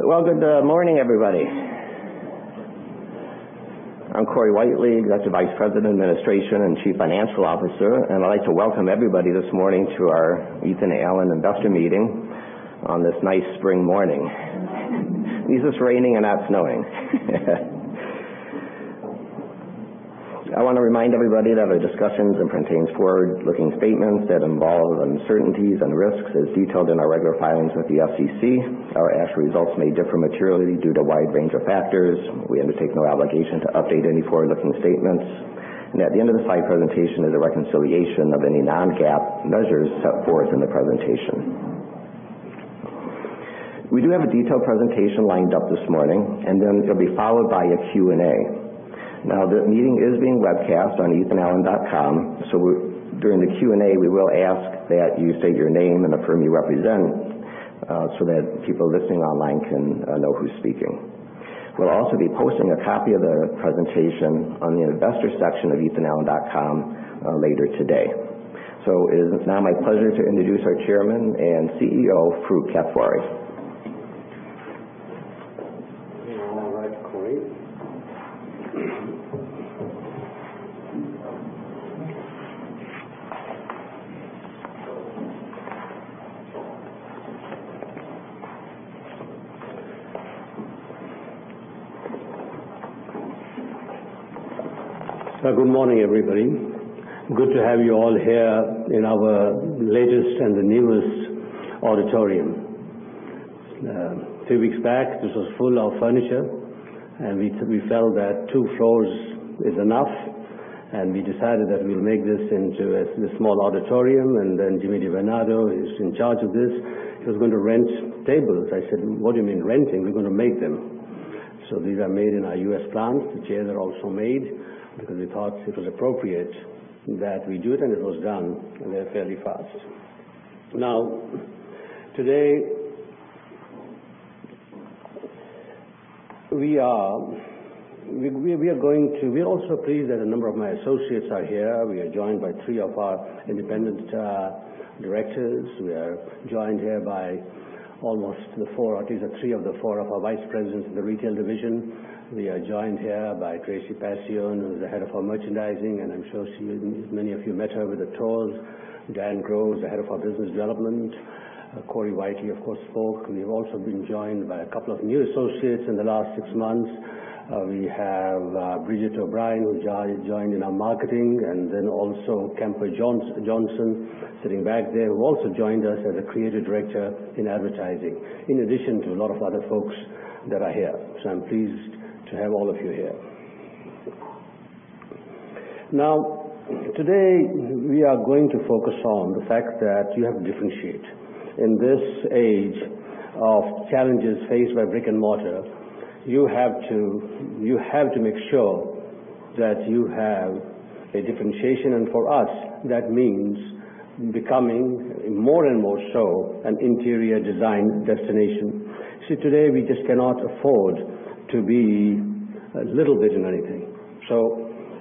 Good morning, everybody. I'm Corey Whitely, Executive Vice President of Administration and Chief Financial Officer, and I'd like to welcome everybody this morning to our Ethan Allen Investor Meeting on this nice spring morning. At least it's raining and not snowing. I want to remind everybody that our discussions contain forward-looking statements that involve uncertainties and risks as detailed in our regular filings with the SEC. Our actual results may differ materially due to a wide range of factors. We undertake no obligation to update any forward-looking statements. At the end of the slide presentation is a reconciliation of any non-GAAP measures set forth in the presentation. We do have a detailed presentation lined up this morning, and it'll be followed by a Q&A. The meeting is being webcast on ethanallen.com, during the Q&A, we will ask that you state your name and the firm you represent, that people listening online can know who's speaking. We'll also be posting a copy of the presentation on the investor section of ethanallen.com later today. It is now my pleasure to introduce our chairman and CEO, Farooq Kathwari. All right, Corey. Good morning, everybody. Good to have you all here in our latest and the newest auditorium. A few weeks back, this was full of furniture, we felt that two floors is enough, we decided that we'll make this into a small auditorium, Jimmy DiBernardo, who's in charge of this, he was going to rent tables. I said, "What do you mean renting? We're going to make them." These are made in our U.S. plant. The chairs are also made, because we thought it was appropriate that we do it was done, and fairly fast. Today, we are also pleased that a number of my associates are here. We are joined by three of our independent directors. We are joined here by three of the four of our vice presidents in the retail division. We are joined here by Tracy Paccione, who's the head of our merchandising, and I'm sure many of you met her with the tours. Dan Grow, the head of our business development. Corey Whitely, of course, spoke. We've also been joined by a couple of new associates in the last six months. We have Bridget O'Brien, who's joined in our marketing, also Kemper Johnson, sitting back there, who also joined us as a creative director in advertising, in addition to a lot of other folks that are here. I'm pleased to have all of you here. Today, we are going to focus on the fact that you have to differentiate. In this age of challenges faced by brick and mortar, you have to make sure that you have a differentiation, and for us, that means becoming more and more so an interior design destination. Today, we just cannot afford to be a little bit in anything.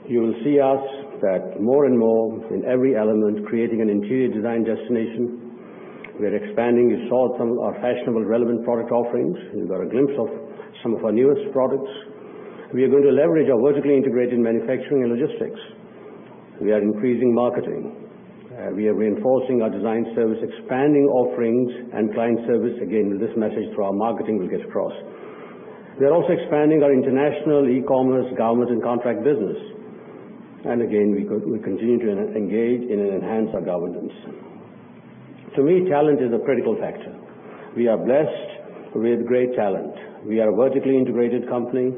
You will see us that more and more in every element, creating an interior design destination. We're expanding. You saw some of our fashionable relevant product offerings. You got a glimpse of some of our newest products. We are going to leverage our vertically integrated manufacturing and logistics. We are increasing marketing. We are reinforcing our design service, expanding offerings and client service. Again, this message through our marketing will get across. We are also expanding our international e-commerce, government, and contract business. Again, we continue to engage and enhance our governance. To me, talent is a critical factor. We are blessed with great talent. We are a vertically integrated company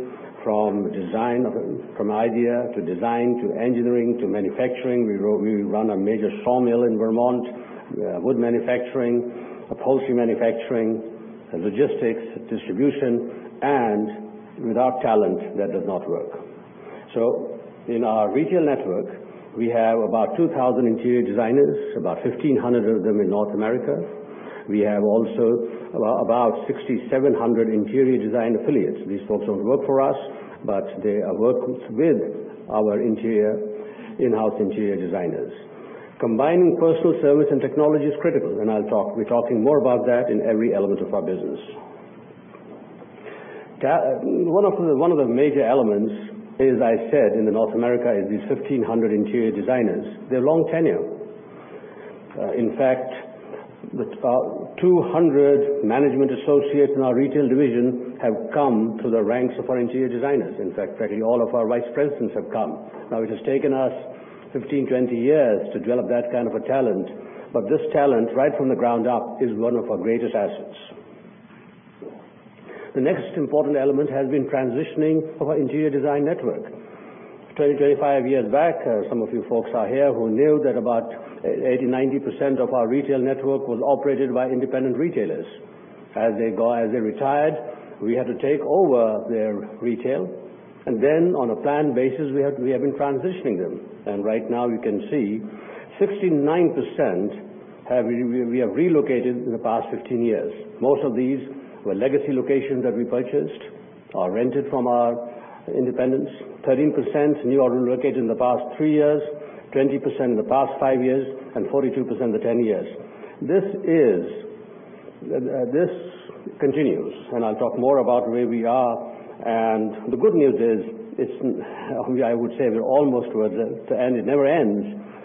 from idea, to design, to engineering, to manufacturing. We run a major sawmill in Vermont. Wood manufacturing, upholstery manufacturing, logistics, distribution, without talent, that does not work. In our retail network, we have about 2,000 interior designers, about 1,500 of them in North America. We have also about 6,700 interior design affiliates. These folks don't work for us, but they work with our in-house interior designers. Combining personal service and technology is critical, I'll be talking more about that in every element of our business. One of the major elements, as I said, in the North America is these 1,500 interior designers. They're long tenure. In fact, about 200 management associates in our retail division have come through the ranks of our interior designers. In fact, practically all of our vice presidents have come. It has taken us 15, 20 years to develop that kind of a talent, but this talent, right from the ground up, is one of our greatest assets. The next important element has been transitioning our interior design network. 20, 25 years back, some of you folks are here who knew that about 80%, 90% of our retail network was operated by independent retailers. As they retired, we had to take over their retail, then on a planned basis, we have been transitioning them. Right now, you can see 69% we have relocated in the past 15 years. Most of these were legacy locations that we purchased. Are rented from our independents, 13% newly relocated in the past 3 years, 20% in the past 5 years, and 42% in the 10 years. This continues, I'll talk more about where we are, the good news is, I would say we're almost towards the end. It never ends,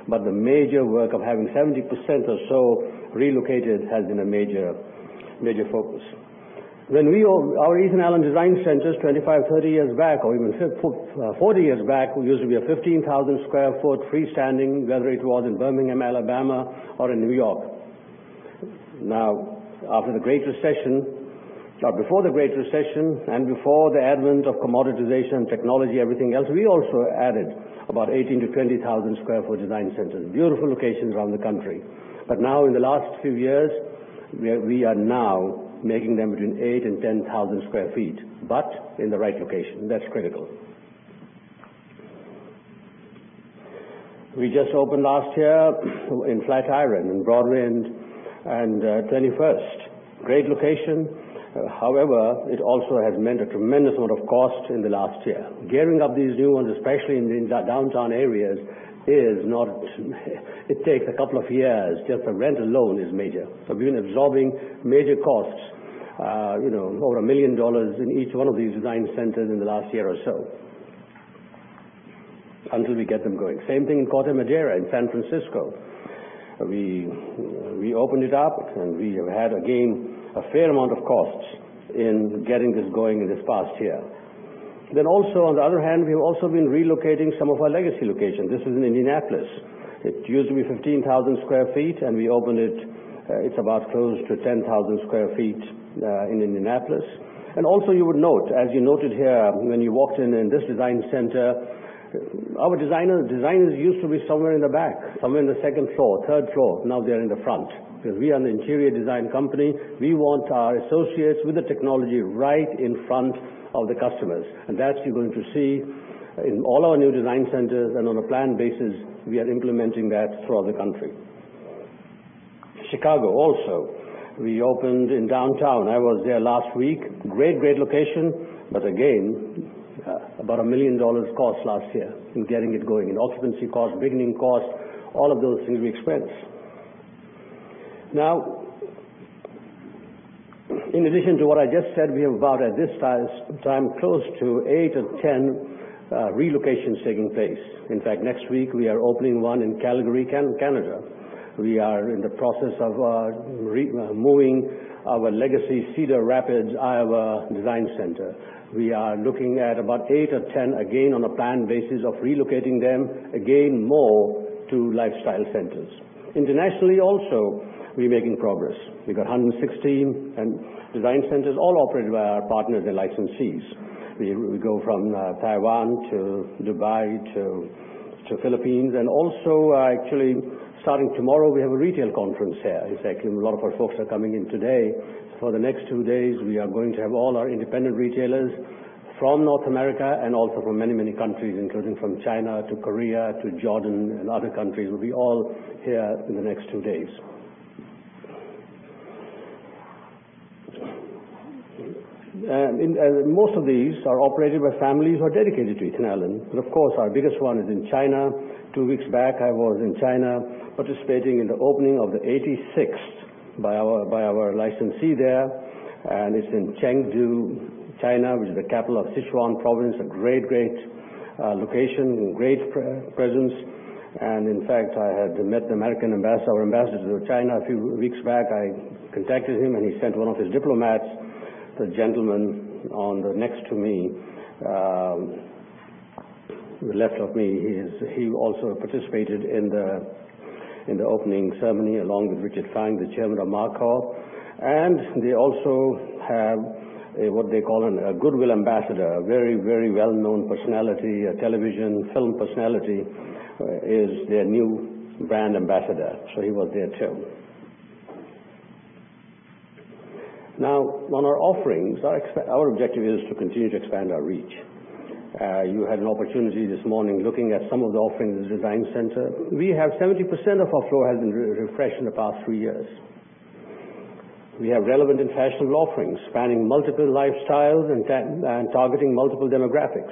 the major work of having 70% or so relocated has been a major focus. When our Ethan Allen Design Centers, 25, 30 years back, or even 40 years back, it used to be a 15,000 square foot freestanding, whether it was in Birmingham, Alabama, or in New York. Before the Great Recession, before the advent of commoditization, technology, everything else, we also added about 18,000 to 20,000 square foot design centers. Beautiful locations around the country. Now in the last few years, we are now making them between 8,000 and 10,000 square feet, but in the right location. That's critical. We just opened last year in Flatiron, on Broadway and 21st. Great location, however, it also has meant a tremendous amount of cost in the last year. Gearing up these new ones, especially in the downtown areas, it takes a couple of years. Just the rent alone is major. We've been absorbing major costs, over $1 million in each one of these design centers in the last year or so until we get them going. Same thing in Corte Madera in San Francisco. We opened it up, and we have had, again, a fair amount of costs in getting this going in this past year. On the other hand, we've also been relocating some of our legacy locations. This is in Indianapolis. It used to be 15,000 sq ft, and we opened it's about close to 10,000 sq ft in Indianapolis. You would note, as you noted here when you walked in this design center, our designers used to be somewhere in the back, somewhere in the second floor, third floor. Now they're in the front. Because we are an interior design company, we want our associates with the technology right in front of the customers. That you're going to see in all our new design centers, and on a planned basis, we are implementing that throughout the country. Chicago also, we opened in downtown. I was there last week. Great location, but again, about $1 million cost last year in getting it going. In occupancy cost, beginning cost, all of those things we expense. In addition to what I just said, we have about, at this time, close to eight or 10 relocations taking place. In fact, next week we are opening one in Calgary, Canada. We are in the process of moving our legacy Cedar Rapids, Iowa, design center. We are looking at about eight or 10, again, on a planned basis of relocating them, again, more to lifestyle centers. Internationally also, we're making progress. We've got 116 design centers, all operated by our partners and licensees. We go from Taiwan to Dubai to Philippines, also, actually, starting tomorrow, we have a retail conference here. In fact, a lot of our folks are coming in today. For the next two days, we are going to have all our independent retailers from North America and also from many countries, including from China to Korea to Jordan and other countries, will be all here in the next two days. Most of these are operated by families who are dedicated to Ethan Allen. Of course, our biggest one is in China. Two weeks back, I was in China participating in the opening of the 86th by our licensee there. It's in Chengdu, China, which is the capital of Sichuan province. A great location and great presence. In fact, I had met our ambassador to China a few weeks back. I contacted him, and he sent one of his diplomats. The gentleman on the left of me, he also participated in the opening ceremony, along with Richard Feingold, the chairman of Markor. They also have what they call a goodwill ambassador. A very well-known personality, a television film personality, is their new brand ambassador. He was there, too. On our offerings, our objective is to continue to expand our reach. You had an opportunity this morning looking at some of the offerings in the design center. 70% of our floor has been refreshed in the past three years. We have relevant and fashionable offerings spanning multiple lifestyles and targeting multiple demographics.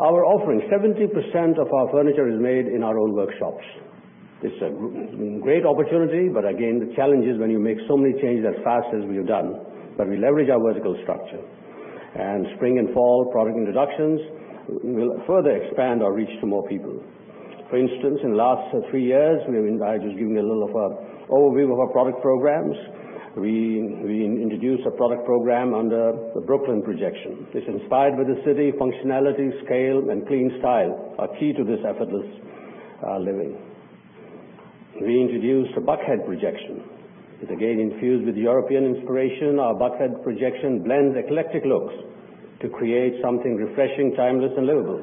Our offerings, 70% of our furniture is made in our own workshops. It's a great opportunity, but again, the challenge is when you make so many changes as fast as we have done. We leverage our vertical structure. Spring and fall product introductions will further expand our reach to more people. For instance, in the last three years, I was giving a little of an overview of our product programs. We introduced a product program under the Brooklyn Collection. It's inspired by the city, functionality, scale, and clean style, are key to this effortless living. We introduced the Buckhead Collection. It's again infused with European inspiration. Our Buckhead Collection blends eclectic looks to create something refreshing, timeless, and livable.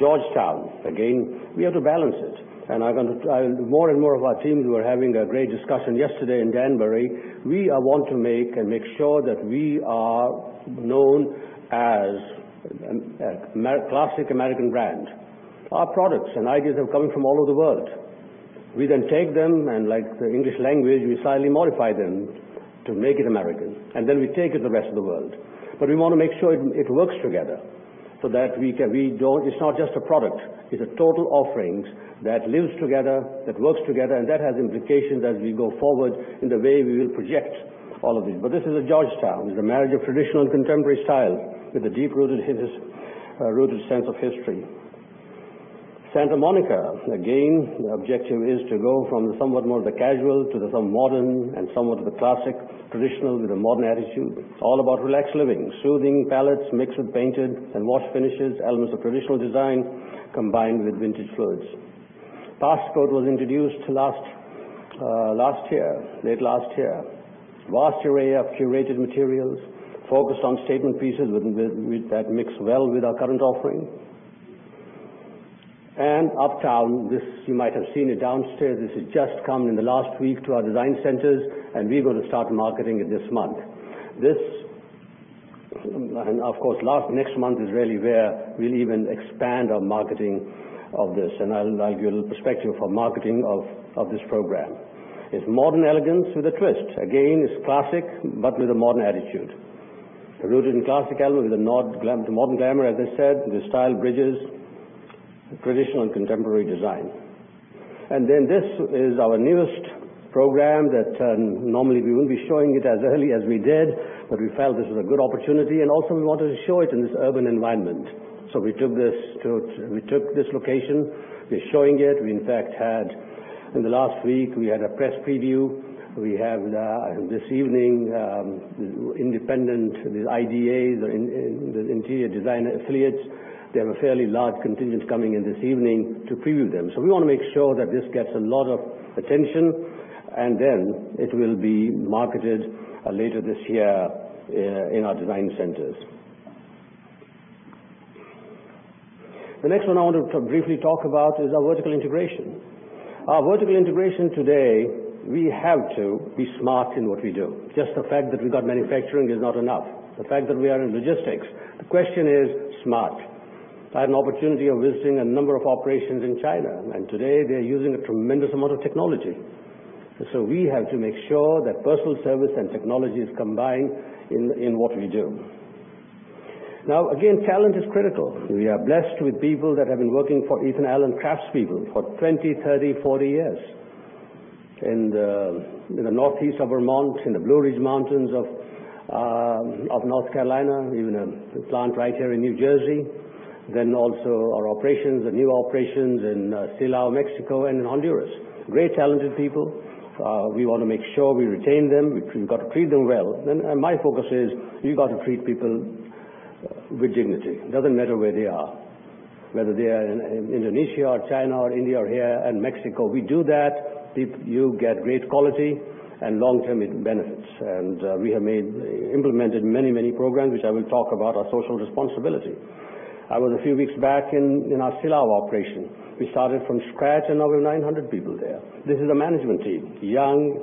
Georgetown, again, we have to balance it. More and more of our teams were having a great discussion yesterday in Danbury. We want to make sure that we are known as a classic American brand. Our products and ideas are coming from all over the world. We then take them and, like the English language, we slightly modify them to make it American, and then we take it to the rest of the world. We want to make sure it works together, so that it's not just a product. It's a total offering that lives together, that works together, and that has implications as we go forward in the way we will project all of these. This is a Georgetown. It's a marriage of traditional and contemporary styles with a deep-rooted sense of history. Santa Monica, again, the objective is to go from somewhat more of the casual to the modern and somewhat of the classic, traditional with a modern attitude. It's all about relaxed living, soothing palettes, mixed with painted and washed finishes, elements of traditional design combined with vintage flair. Postcode was introduced late last year. Vast array of curated materials focused on statement pieces that mix well with our current offering. Uptown, you might have seen it downstairs. This has just come in the last week to our design centers, and we're going to start marketing it this month. Of course, next month is really where we'll even expand our marketing of this, and I'll give you a little perspective for marketing of this program. It's modern elegance with a twist. Again, it's classic, but with a modern attitude. Rooted in classic elements with modern glamour, as I said, the style bridges traditional and contemporary design. This is our newest program that normally we wouldn't be showing it as early as we did, but we felt this was a good opportunity. Also, we wanted to show it in this urban environment. We took this location. We're showing it. In fact, in the last week, we had a press preview. We have, this evening, independent IDAs, the Interior Designer Affiliates. They have a fairly large contingent coming in this evening to preview them. We want to make sure that this gets a lot of attention, and then it will be marketed later this year in our design centers. The next one I want to briefly talk about is our vertical integration. Our vertical integration today, we have to be smart in what we do. Just the fact that we got manufacturing is not enough. The fact that we are in logistics. The question is smart. I had an opportunity of visiting a number of operations in China, and today they're using a tremendous amount of technology. We have to make sure that personal service and technology is combined in what we do. Again, talent is critical. We are blessed with people that have been working for Ethan Allen crafts people for 20, 30, 40 years. In the northeast of Vermont, in the Blue Ridge Mountains of North Carolina, even a plant right here in New Jersey, our operations, the new operations in Silao, Mexico and Honduras. Great talented people. We want to make sure we retain them. We've got to treat them well. My focus is you've got to treat people with dignity. Doesn't matter where they are, whether they are in Indonesia or China or India or here and Mexico. We do that, you get great quality and long-term benefits. We have implemented many programs, which I will talk about, our social responsibility. I was a few weeks back in our Silao operation. We started from scratch, and now we have 900 people there. This is a management team, young.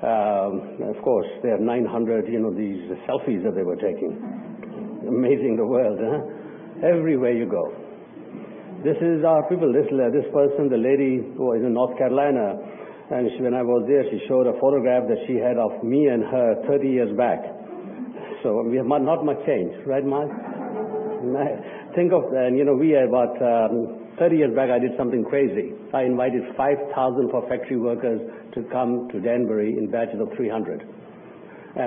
Of course, they have 900 of these selfies that they were taking. Amazing the world, huh. Everywhere you go. This is our people. This person, the lady who is in North Carolina, and when I was there, she showed a photograph that she had of me and her 30 years back. We have not much changed, right, Mark? 30 years back, I did something crazy. I invited 5,000 of our factory workers to come to Danbury in batches of 300.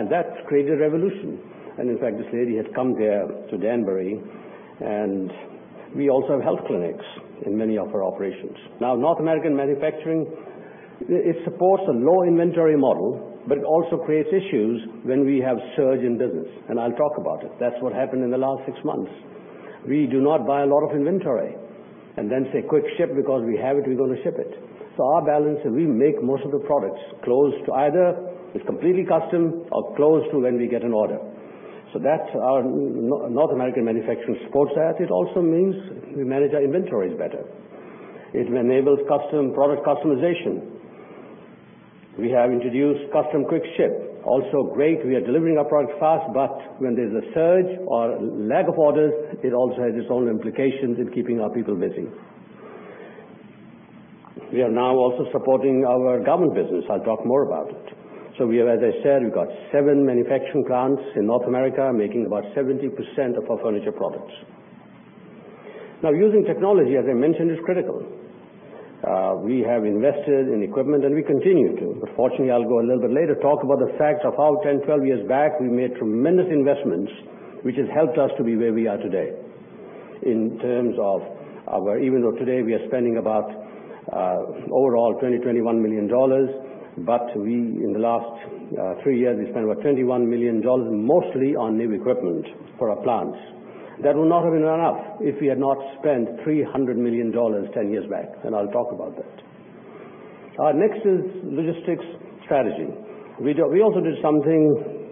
That created a revolution. In fact, this lady had come there to Danbury. We also have health clinics in many of our operations. North American manufacturing, it supports a low inventory model, but also creates issues when we have surge in business, and I'll talk about it. That's what happened in the last six months. We do not buy a lot of inventory and then say, "Quick ship because we have it, we're going to ship it." Our balance is we make most of the products close to either it's completely custom or close to when we get an order. That's our North American manufacturing supports that. It also means we manage our inventories better. It enables custom product customization. We have introduced custom quick ship. Also great, we are delivering our product fast, but when there's a surge or lack of orders, it also has its own implications in keeping our people busy. We are now also supporting our government business. I'll talk more about it. We have, as I said, we've got seven manufacturing plants in North America making about 70% of our furniture products. Using technology, as I mentioned, is critical. We have invested in equipment and we continue to. Fortunately, I'll go a little bit later, talk about the fact of how 10, 12 years back, we made tremendous investments, which has helped us to be where we are today. Even though today we are spending about overall $20, $21 million, we, in the last three years, we spent about $21 million mostly on new equipment for our plants. That would not have been enough if we had not spent $300 million 10 years back, and I'll talk about that. Our next is logistics strategy. We also did something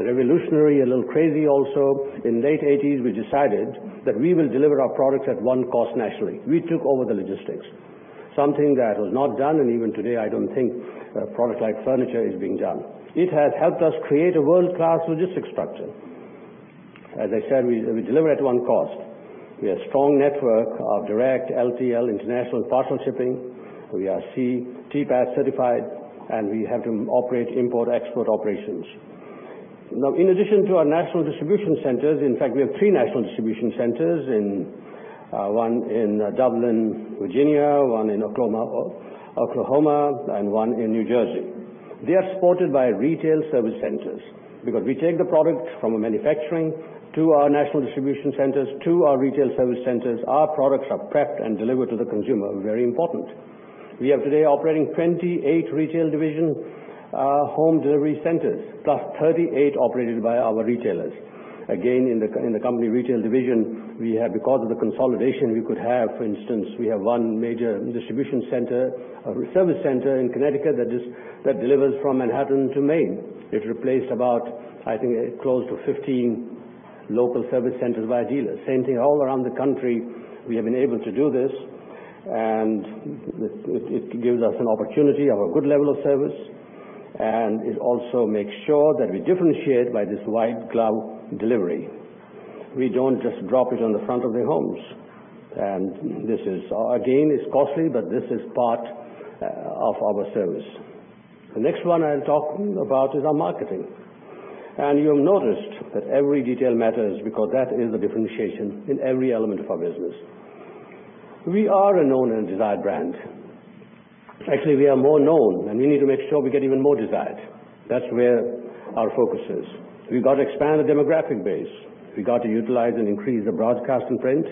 revolutionary, a little crazy also. In late '80s, we decided that we will deliver our products at one cost nationally. We took over the logistics. Something that was not done, and even today, I don't think a product like furniture is being done. It has helped us create a world-class logistics structure. As I said, we deliver at one cost. We have a strong network of direct LTL international parcel shipping. We are C-TPAT certified, and we have to operate import-export operations. In addition to our national distribution centers, in fact, we have three national distribution centers, one in Dublin, Virginia, one in Oklahoma, and one in New Jersey. They are supported by retail service centers because we take the product from manufacturing to our national distribution centers to our retail service centers. Our products are prepped and delivered to the consumer, very important. We have today operating 28 retail division home delivery centers, plus 38 operated by our retailers. Again, in the company retail division, because of the consolidation we could have, for instance, we have one major distribution center, a service center in Connecticut that delivers from Manhattan to Maine. It replaced about, I think, close to 15 local service centers by dealers. Same thing all around the country. It gives us an opportunity, have a good level of service, and it also makes sure that we differentiate by this white glove delivery. We don't just drop it on the front of their homes. Again, it's costly, but this is part of our service. The next one I'll talk about is our marketing. You'll notice that every detail matters because that is the differentiation in every element of our business. We are a known and desired brand. Actually, we are more known, and we need to make sure we get even more desired. That's where our focus is. We've got to expand the demographic base. We got to utilize and increase the broadcast and print.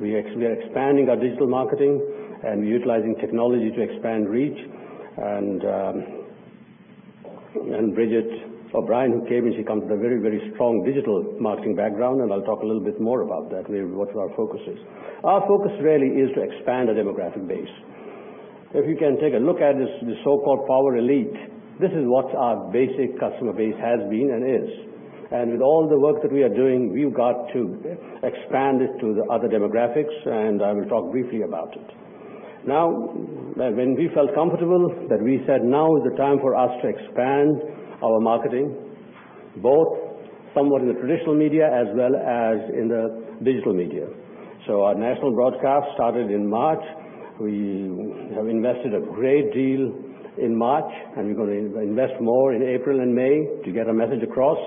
We are expanding our digital marketing and utilizing technology to expand reach. Bridget O'Brien, who came in, she comes with a very strong digital marketing background, and I'll talk a little bit more about that, what our focus is. Our focus really is to expand the demographic base. If you can take a look at this, the so-called power elite, this is what our basic customer base has been and is. With all the work that we are doing, we've got to expand it to the other demographics, and I will talk briefly about it. When we felt comfortable that we said now is the time for us to expand our marketing, both somewhat in the traditional media as well as in the digital media. Our national broadcast started in March. We have invested a great deal in March, and we're going to invest more in April and May to get our message across,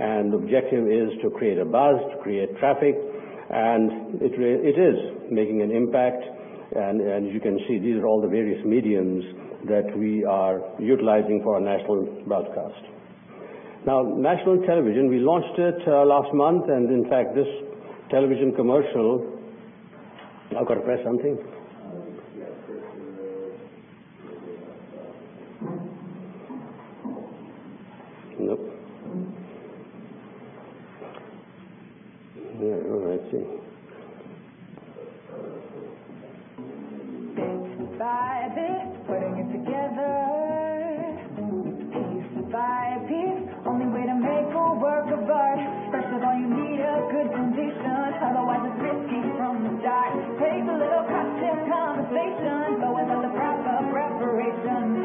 and the objective is to create a buzz, to create traffic, and it is making an impact. As you can see, these are all the various mediums that we are utilizing for our national broadcast. National television, we launched it last month. In fact, this television commercial. I've got to press something. Nope. All right. Let's see. Bit by bit, putting it together. Piece by piece, only way to make a work of art. First of all, you need a good foundation. Otherwise, it's 50 from the start. Takes a little cut to the conversation. Without the proper preparation.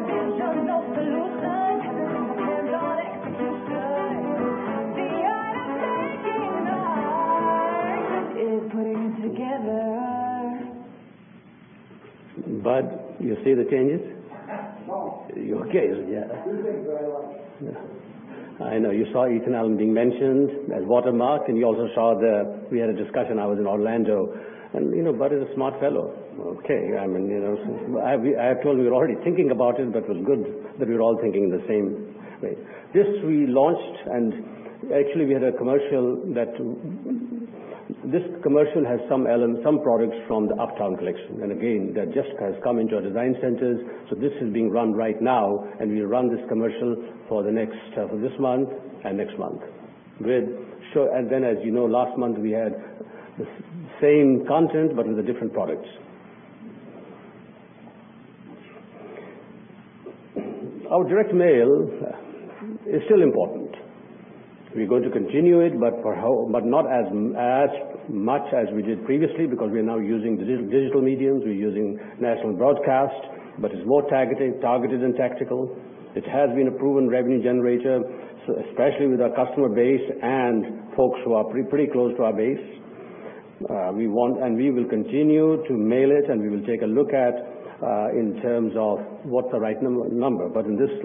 Vision's no solution, depends on execution. The art of making art is putting it together. Budd, you see the changes? Oh. You okay? Yeah. Two things that I like. I know. You saw Ethan Allen being mentioned at Watermark, and you also saw that we had a discussion. I was in Orlando, and Budd is a smart fellow. Okay. I told him we were already thinking about it, but it was good that we were all thinking in the same way. This we launched, and actually, we had a commercial. This commercial has some elements, some products from the Uptown Collection. Again, that just has come into our design centers. This is being run right now, and we run this commercial for this month and next month. Then, as you know, last month, we had the same content but with the different products. Our direct mail is still important. We're going to continue it, but not as much as we did previously because we are now using digital mediums. We're using national broadcast, but it's more targeted and tactical. It has been a proven revenue generator, especially with our customer base and folks who are pretty close to our base. We will continue to mail it, and we will take a look at in terms of what the right number. In this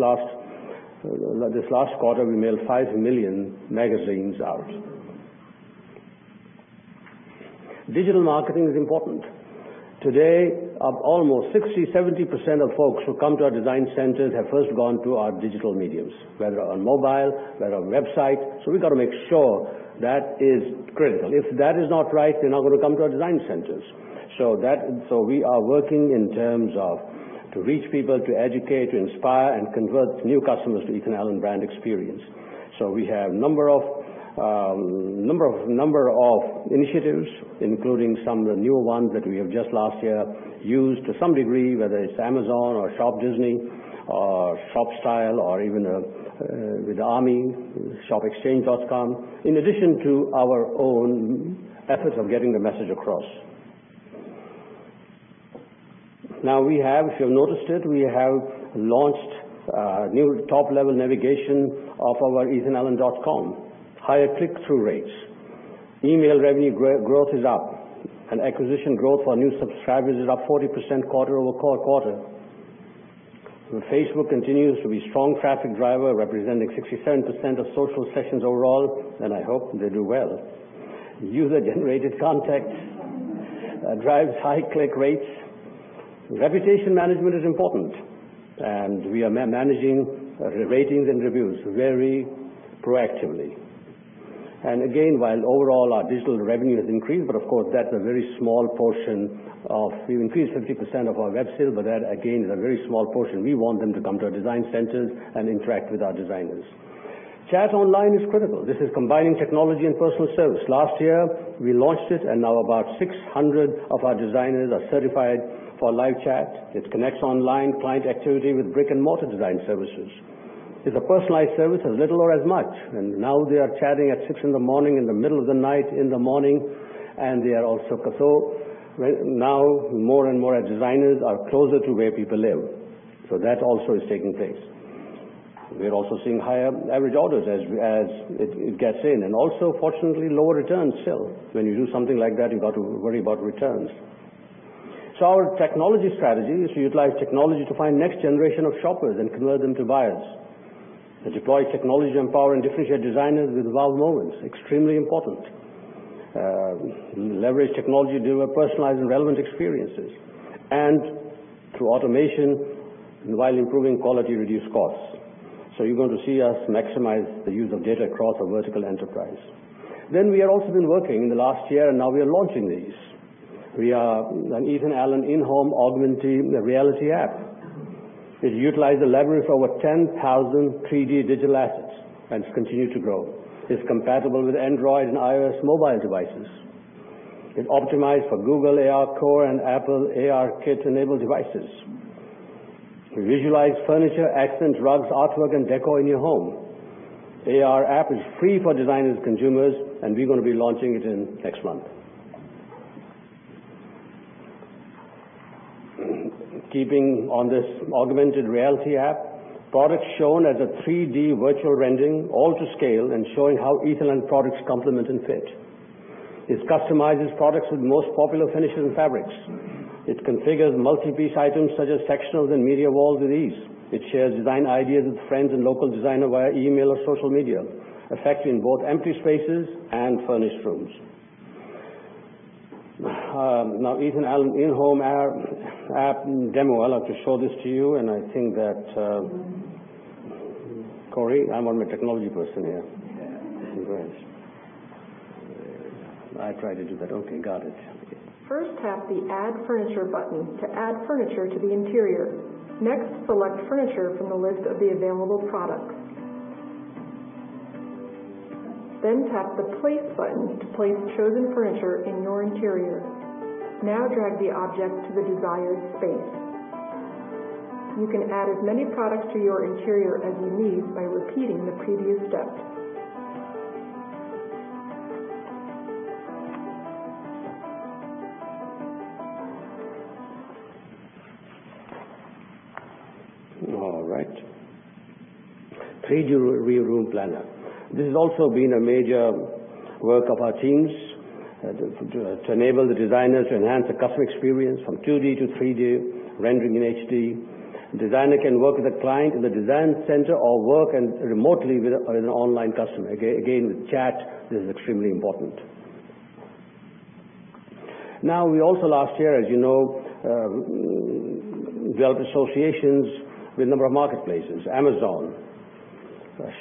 last quarter, we mailed 5 million magazines out. Digital marketing is important. Today, almost 60%-70% of folks who come to our design centers have first gone to our digital mediums, whether on mobile, whether on website. We got to make sure that is critical. If that is not right, they're not going to come to our design centers. We are working in terms of to reach people, to educate, to inspire, and convert new customers to Ethan Allen brand experience. We have a number of initiatives, including some of the newer ones that we have just last year used to some degree, whether it's Amazon or shopDisney or ShopStyle or even with Army, shopmyexchange.com, in addition to our own efforts of getting the message across. Now, if you've noticed it, we have launched a new top-level navigation of our ethanallen.com. Higher click-through rates. Email revenue growth is up, and acquisition growth for new subscribers is up 40% quarter-over-quarter. Facebook continues to be a strong traffic driver, representing 67% of social sessions overall, and I hope they do well. User-generated content drives high click rates. Reputation management is important, and we are managing ratings and reviews very proactively. While overall our digital revenue has increased, of course, that's a very small portion. We've increased 50% of our web sale, that again, is a very small portion. We want them to come to our design centers and interact with our designers. Chat online is critical. This is combining technology and personal service. Last year, we launched it and now about 600 of our designers are certified for live chat. It connects online client activity with brick-and-mortar design services. It's a personalized service, as little or as much. Now they are chatting at 6:00 in the morning, in the middle of the night, in the morning. Now more and more designers are closer to where people live. That also is taking place. We are also seeing higher average orders as it gets in and also fortunately, lower returns still. When you do something like that, you've got to worry about returns. Our technology strategy is we utilize technology to find the next generation of shoppers and convert them to buyers, deploy technology, empower, and differentiate designers with wow moments. Extremely important. We leverage technology to deliver personalized and relevant experiences, through automation while improving quality, reduce costs. You're going to see us maximize the use of data across our vertical enterprise. We have also been working in the last year, now we are launching these. An Ethan Allen in-home augmented reality app. It utilizes the leverage of over 10,000 3D digital assets and continues to grow. It's compatible with Android and iOS mobile devices. It optimized for Google ARCore and Apple ARKit-enabled devices. To visualize furniture, accents, rugs, artwork, and decor in your home. AR app is free for designers and consumers, and we're going to be launching it next month. Keeping on this augmented reality app, products shown as a 3D virtual rendering, all to scale, and showing how Ethan Allen products complement and fit. It customizes products with the most popular finishes and fabrics. It configures multi-piece items such as sectionals and media walls with ease. It shares design ideas with friends and local designers via email or social media, effective in both empty spaces and furnished rooms. Ethan Allen in-home app demo. I'd like to show this to you. Corey, I'm a technology person here. Yeah. I try to do that. Okay, got it. First, tap the Add Furniture button to add furniture to the interior. Select furniture from the list of the available products. Tap the Place button to place the chosen furniture in your interior. Now drag the object to the desired space. You can add as many products to your interior as you need by repeating the previous steps. All right. 3D Room Planner. This has also been a major work of our teams to enable the designer to enhance the customer experience from 2D to 3D, rendering in HD. The designer can work with a client in the design center or work remotely with an online customer. Again, with chat, this is extremely important. We also last year, as you know, built associations with a number of marketplaces, Amazon,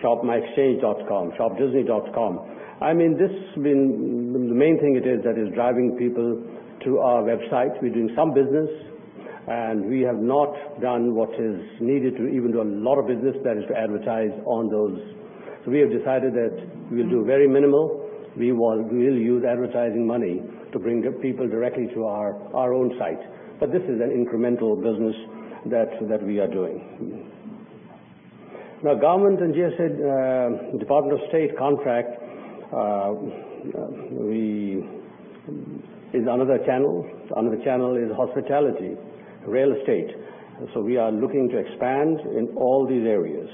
shopmyexchange.com, shopdisney.com. This has been the main thing that is driving people to our website. We're doing some business, we have not done what is needed to even do a lot of business. That is to advertise on those. We have decided that we'll do very minimal. We'll use advertising money to bring people directly to our own site. This is an incremental business that we are doing. Government and GSA Department of State contract is another channel. Another channel is hospitality, real estate. We are looking to expand in all these areas.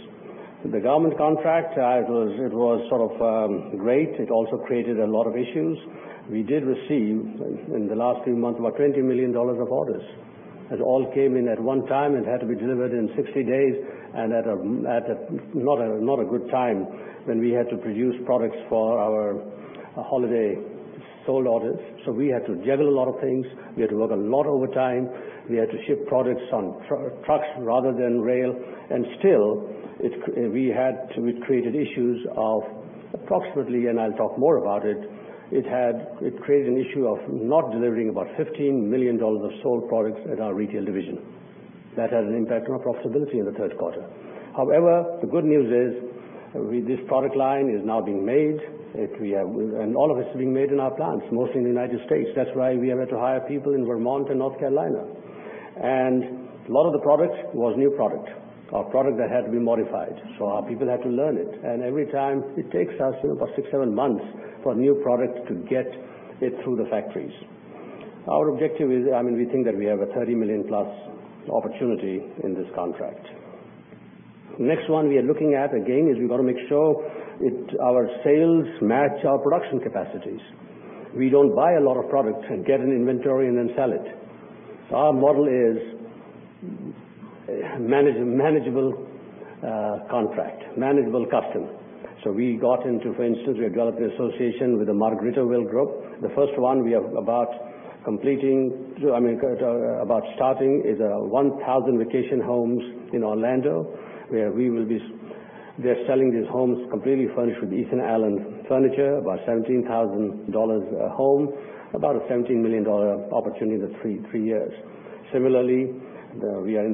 The government contract, it was sort of great. It also created a lot of issues. We did receive, in the last few months, about $20 million of orders, that all came in at one time and had to be delivered in 60 days, at not a good time when we had to produce products for our holiday sold orders. We had to juggle a lot of things. We had to work a lot overtime. We had to ship products on trucks rather than rail. Still, we created issues of approximately, I'll talk more about it created an issue of not delivering about $15 million of sold products at our retail division. That had an impact on our profitability in the third quarter. The good news is, this product line is now being made, all of it is being made in our plants, mostly in the United States. That's why we have had to hire people in Vermont and North Carolina. A lot of the products was new product or product that had to be modified, so our people had to learn it. Every time, it takes us about six, seven months for a new product to get it through the factories. Our objective is, we think that we have a 30-million-plus opportunity in this contract. Next one we are looking at, again, is we've got to make sure our sales match our production capacities. We don't buy a lot of products and get an inventory and then sell it. Our model is manageable contract, manageable custom. We got into, for instance, we developed an association with the Margaritaville Group. The first one we are about starting is 1,000 vacation homes in Orlando, where they're selling these homes completely furnished with Ethan Allen furniture, about $17,000 a home, about a $17 million opportunity in the three years. Similarly, we are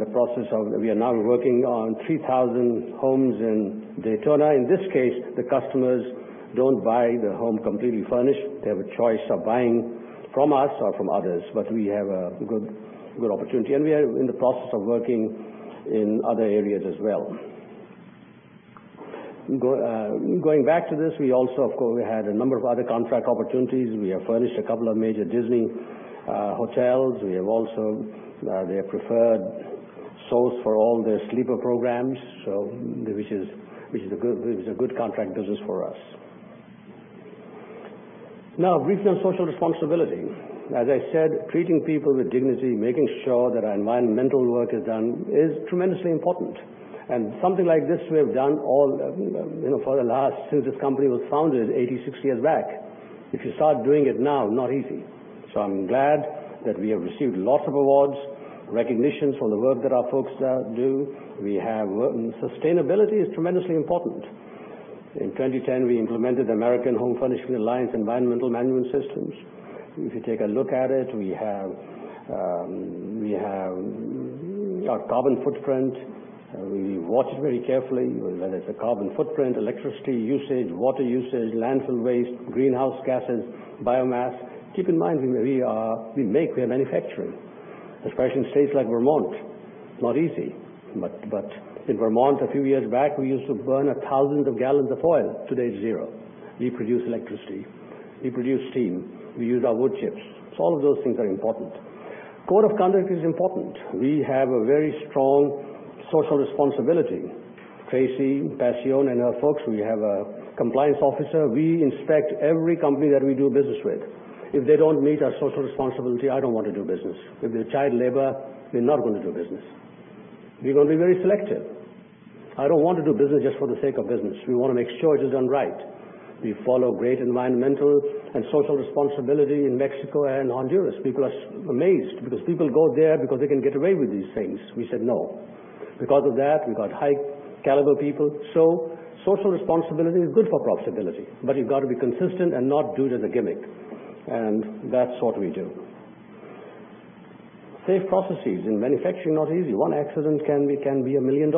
now working on 3,000 homes in Daytona. In this case, the customers don't buy the home completely furnished. They have a choice of buying from us or from others, but we have a good opportunity, and we are in the process of working in other areas as well. Going back to this, we also, of course, had a number of other contract opportunities. We have furnished a couple of major Disney hotels. We are also their preferred source for all their sleeper programs, which is a good contract business for us. Regional social responsibility. As I said, treating people with dignity, making sure that our environmental work is done is tremendously important. Something like this, we have done since this company was founded 86 years back. If you start doing it now, not easy. I'm glad that we have received lots of awards, recognitions for the work that our folks do. Sustainability is tremendously important. In 2010, we implemented American Home Furnishings Alliance environmental management systems. If you take a look at it, we have our carbon footprint. We watch it very carefully, whether it's a carbon footprint, electricity usage, water usage, landfill waste, greenhouse gases, biomass. Keep in mind, we are manufacturing, especially in states like Vermont. It's not easy. In Vermont, a few years back, we used to burn thousands of gallons of oil. Today, it's zero. We produce electricity. We produce steam. All of those things are important. Code of conduct is important. We have a very strong social responsibility. Tracy Paccione and our folks, we have a compliance officer. We inspect every company that we do business with. If they don't meet our social responsibility, I don't want to do business. If there's child labor, we're not going to do business. We're going to be very selective. I don't want to do business just for the sake of business. We want to make sure it is done right. We follow great environmental and social responsibility in Mexico and Honduras. People are amazed because people go there because they can get away with these things. We said no. Because of that, we got high caliber people. Social responsibility is good for profitability, but you've got to be consistent and not do it as a gimmick, and that's what we do. Safe processes in manufacturing, not easy. One accident can be $1 million.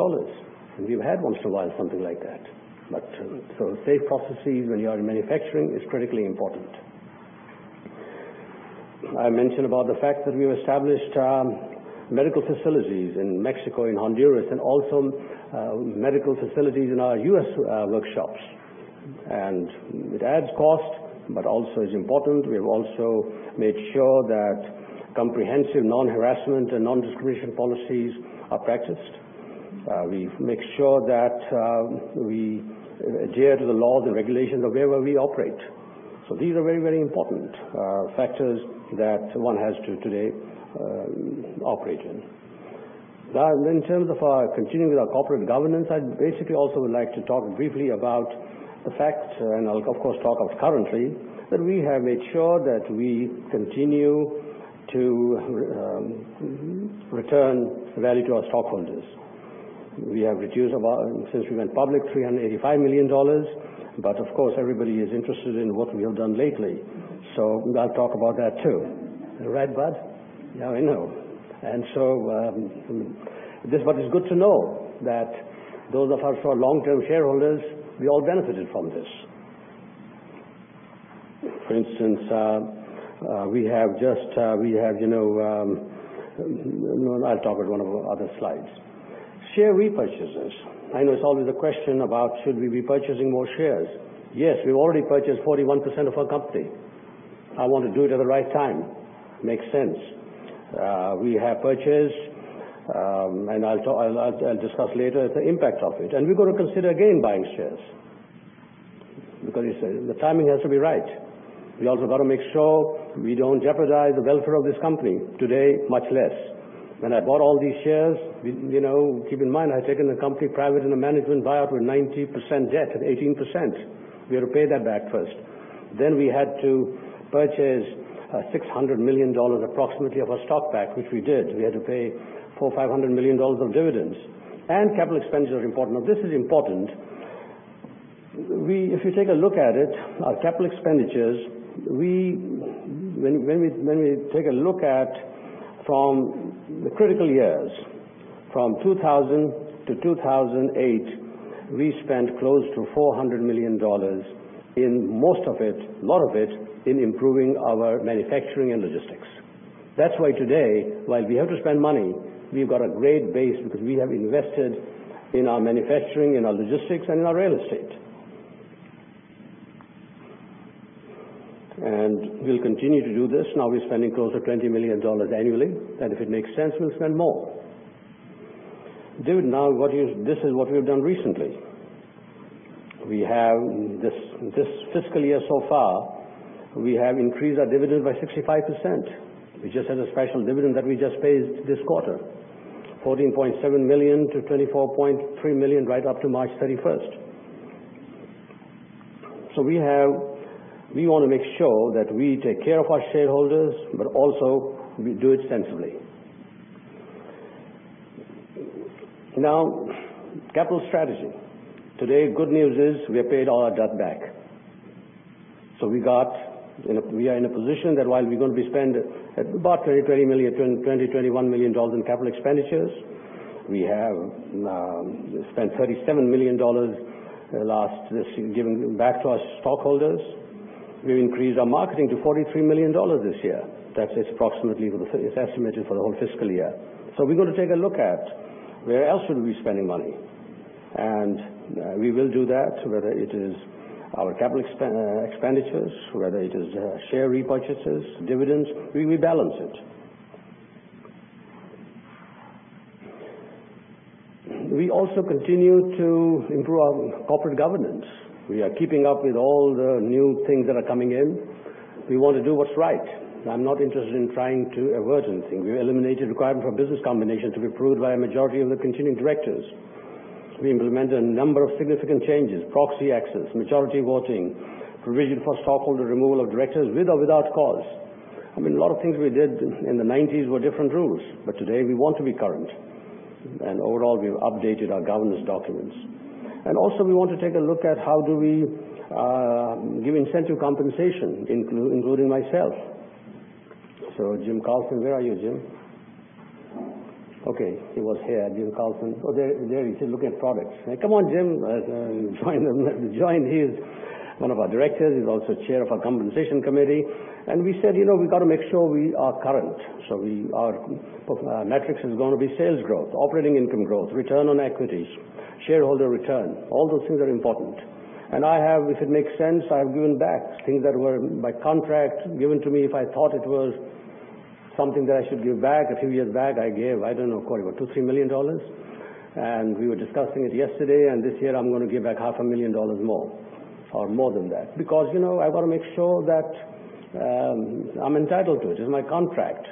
We've had once in a while something like that. Safe processes when you are in manufacturing is critically important. I mentioned about the fact that we've established medical facilities in Mexico and Honduras, and also medical facilities in our U.S. workshops. It adds cost, but also is important. We've also made sure that comprehensive non-harassment and non-discrimination policies are practiced. We make sure that we adhere to the laws and regulations of wherever we operate. These are very, very important factors that one has to today operate in. In terms of continuing with our corporate governance, I basically also would like to talk briefly about the fact, and I'll of course talk currently, that we have made sure that we continue to return value to our stockholders. We have reduced, since we went public, $385 million. Of course, everybody is interested in what we have done lately. We got to talk about that, too. Right, Bud? Yeah, I know. This, what is good to know that those of us who are long-term shareholders, we all benefited from this. For instance, I'll talk at one of our other slides. Share repurchases. I know it's always a question about should we be purchasing more shares. Yes, we've already purchased 41% of our company. I want to do it at the right time. Makes sense. We have purchased, and I'll discuss later the impact of it. We're going to consider again buying shares. The timing has to be right. We also got to make sure we don't jeopardize the welfare of this company. Today, much less. When I bought all these shares, keep in mind, I had taken the company private in a management buyout with 90% debt at 18%. We had to pay that back first. We had to purchase $600 million approximately of our stock back, which we did. We had to pay $400 million, $500 million of dividends. Capital expenditures are important. This is important. If you take a look at it, our capital expenditures, when we take a look at from the critical years 2000 to 2008, we spent close to $400 million, most of it, a lot of it, in improving our manufacturing and logistics. That's why today, while we have to spend money, we've got a great base because we have invested in our manufacturing and our logistics and in our real estate. We'll continue to do this. We're spending close to $20 million annually. If it makes sense, we'll spend more. This is what we've done recently. This fiscal year so far, we have increased our dividend by 65%. We just had a special dividend that we just paid this quarter, $14.7 million-$24.3 million right up to March 31st. We want to make sure that we take care of our shareholders, also we do it sensibly. Capital strategy. Today, good news is we have paid all our debt back. We are in a position that while we're going to be spend about $20 million, $21 million in capital expenditures, we have spent $37 million given back to our stockholders. We've increased our marketing to $43 million this year. That's approximately what is estimated for the whole fiscal year. We're going to take a look at where else should we be spending money. We will do that, whether it is our capital expenditures, whether it is share repurchases, dividends, we balance it. We also continue to improve our corporate governance. We are keeping up with all the new things that are coming in. We want to do what's right. I'm not interested in trying to avert anything. We eliminated requirement for business combination to be approved by a majority of the continuing directors. We implemented a number of significant changes, proxy access, majority voting, provision for stockholder removal of directors with or without cause. I mean, a lot of things we did in the '90s were different rules, but today we want to be current, and overall, we've updated our governance documents. Also we want to take a look at how do we give incentive compensation, including myself. Jim Carlson, where are you, Jim? Okay, he was here, Jim Carlson. Oh, there he is. He's looking at products. Come on, Jim. Join. He is one of our directors. He's also chair of our compensation committee. We said, we got to make sure we are current. Our metrics is going to be sales growth, operating income growth, return on equities, shareholder return. All those things are important. I have, if it makes sense, I've given back things that were by contract given to me if I thought it was something that I should give back. A few years back, I gave, I don't know, Corey, what, 2, $3 million? We were discussing it yesterday, and this year I'm going to give back half a million dollars more, or more than that. Because I want to make sure that I'm entitled to it. It's my contract.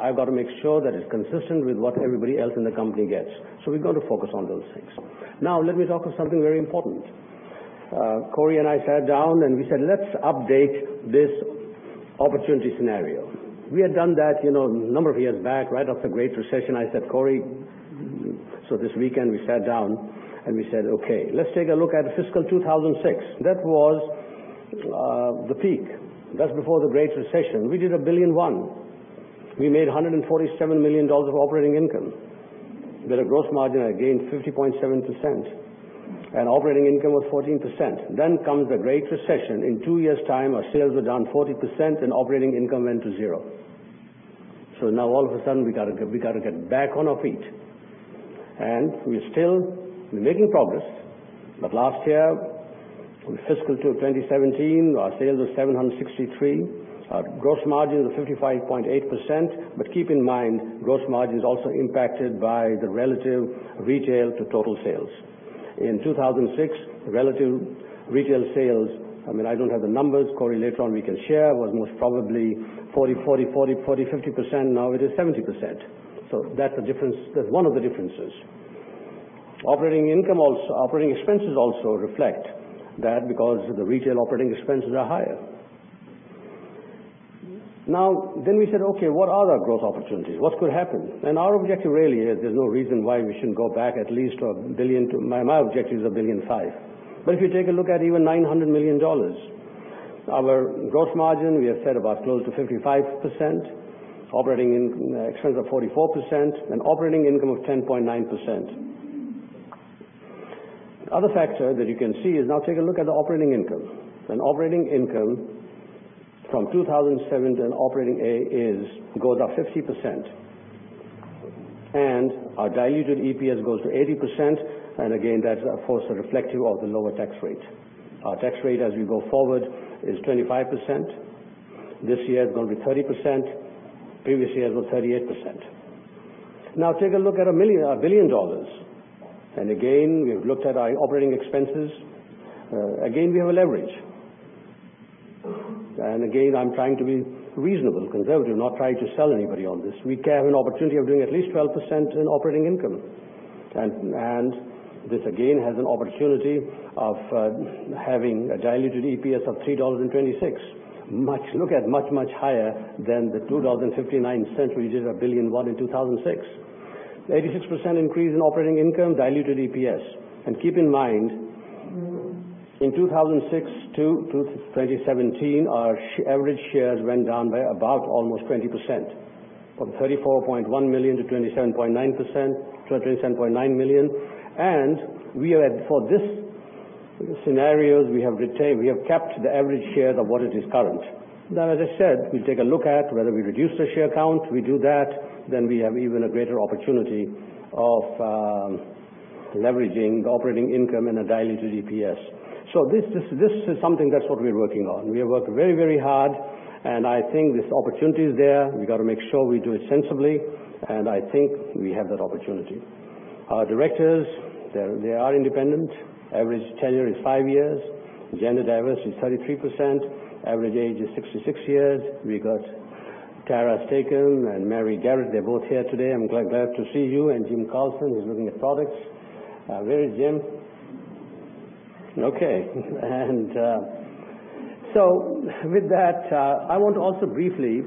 I've got to make sure that it's consistent with what everybody else in the company gets. We're going to focus on those things. Now, let me talk of something very important. Corey and I sat down and we said, "Let's update this opportunity scenario." We had done that a number of years back, right after the Great Recession. I said, "Corey" This weekend, we sat down and we said, "Okay, let's take a look at fiscal 2006." That was the peak. That's before the Great Recession. We did $1.1 billion. We made $147 million of operating income with a gross margin, again, 50.7%, and operating income was 14%. Comes the Great Recession. In 2 years' time, our sales were down 40% and operating income went to zero. Now all of a sudden we got to get back on our feet. We're still making progress. Last year, fiscal 2017, our sales was $763 million. Our gross margins were 55.8%. Keep in mind, gross margin is also impacted by the relative retail to total sales. In 2006, relative retail sales, I don't have the numbers, Corey, later on we can share, was most probably 40, 40, 50%. Now it is 70%. That's one of the differences. Operating expenses also reflect that because the retail operating expenses are higher. Now, we said, "Okay, what are our growth opportunities? What could happen?" Our objective really is there's no reason why we shouldn't go back at least $1 billion. My objective is $1.5 billion. If you take a look at even $900 million, our gross margin, we have said about close to 55%, operating expense of 44%, and operating income of 10.9%. Other factor that you can see is now take a look at the operating income. Operating income from 2007, operating income goes up 50%. Our diluted EPS goes to 80%, and again, that's of course reflective of the lower tax rate. Our tax rate as we go forward is 25%. This year it's going to be 30%. Previous year it was 38%. Take a look at $1 billion. We've looked at our operating expenses. We have a leverage. I'm trying to be reasonable, conservative, not trying to sell anybody on this. We have an opportunity of doing at least 12% in operating income. This has an opportunity of having a diluted EPS of $3.26. Look at much, much higher than the 2.59 when we did $1.1 billion in 2006. 86% increase in operating income, diluted EPS. In 2006 to 2017, our average shares went down by about almost 20%, from 34.1 million to 27.9 million. For these scenarios, we have kept the average shares of what it is current. As I said, we'll take a look at whether we reduce the share count. We do that, then we have even a greater opportunity of leveraging the operating income in a diluted EPS. This is something that's what we're working on. We have worked very hard, and I think this opportunity is there. We've got to make sure we do it sensibly, and I think we have that opportunity. Our directors, they are independent. Average tenure is five years. Gender diversity is 33%. Average age is 66 years. We've got Tara Stacom and Mary Garrett. They're both here today. I'm glad to see you, and Jim Carlson, who's looking at products. Where is Jim? With that, I want to also briefly,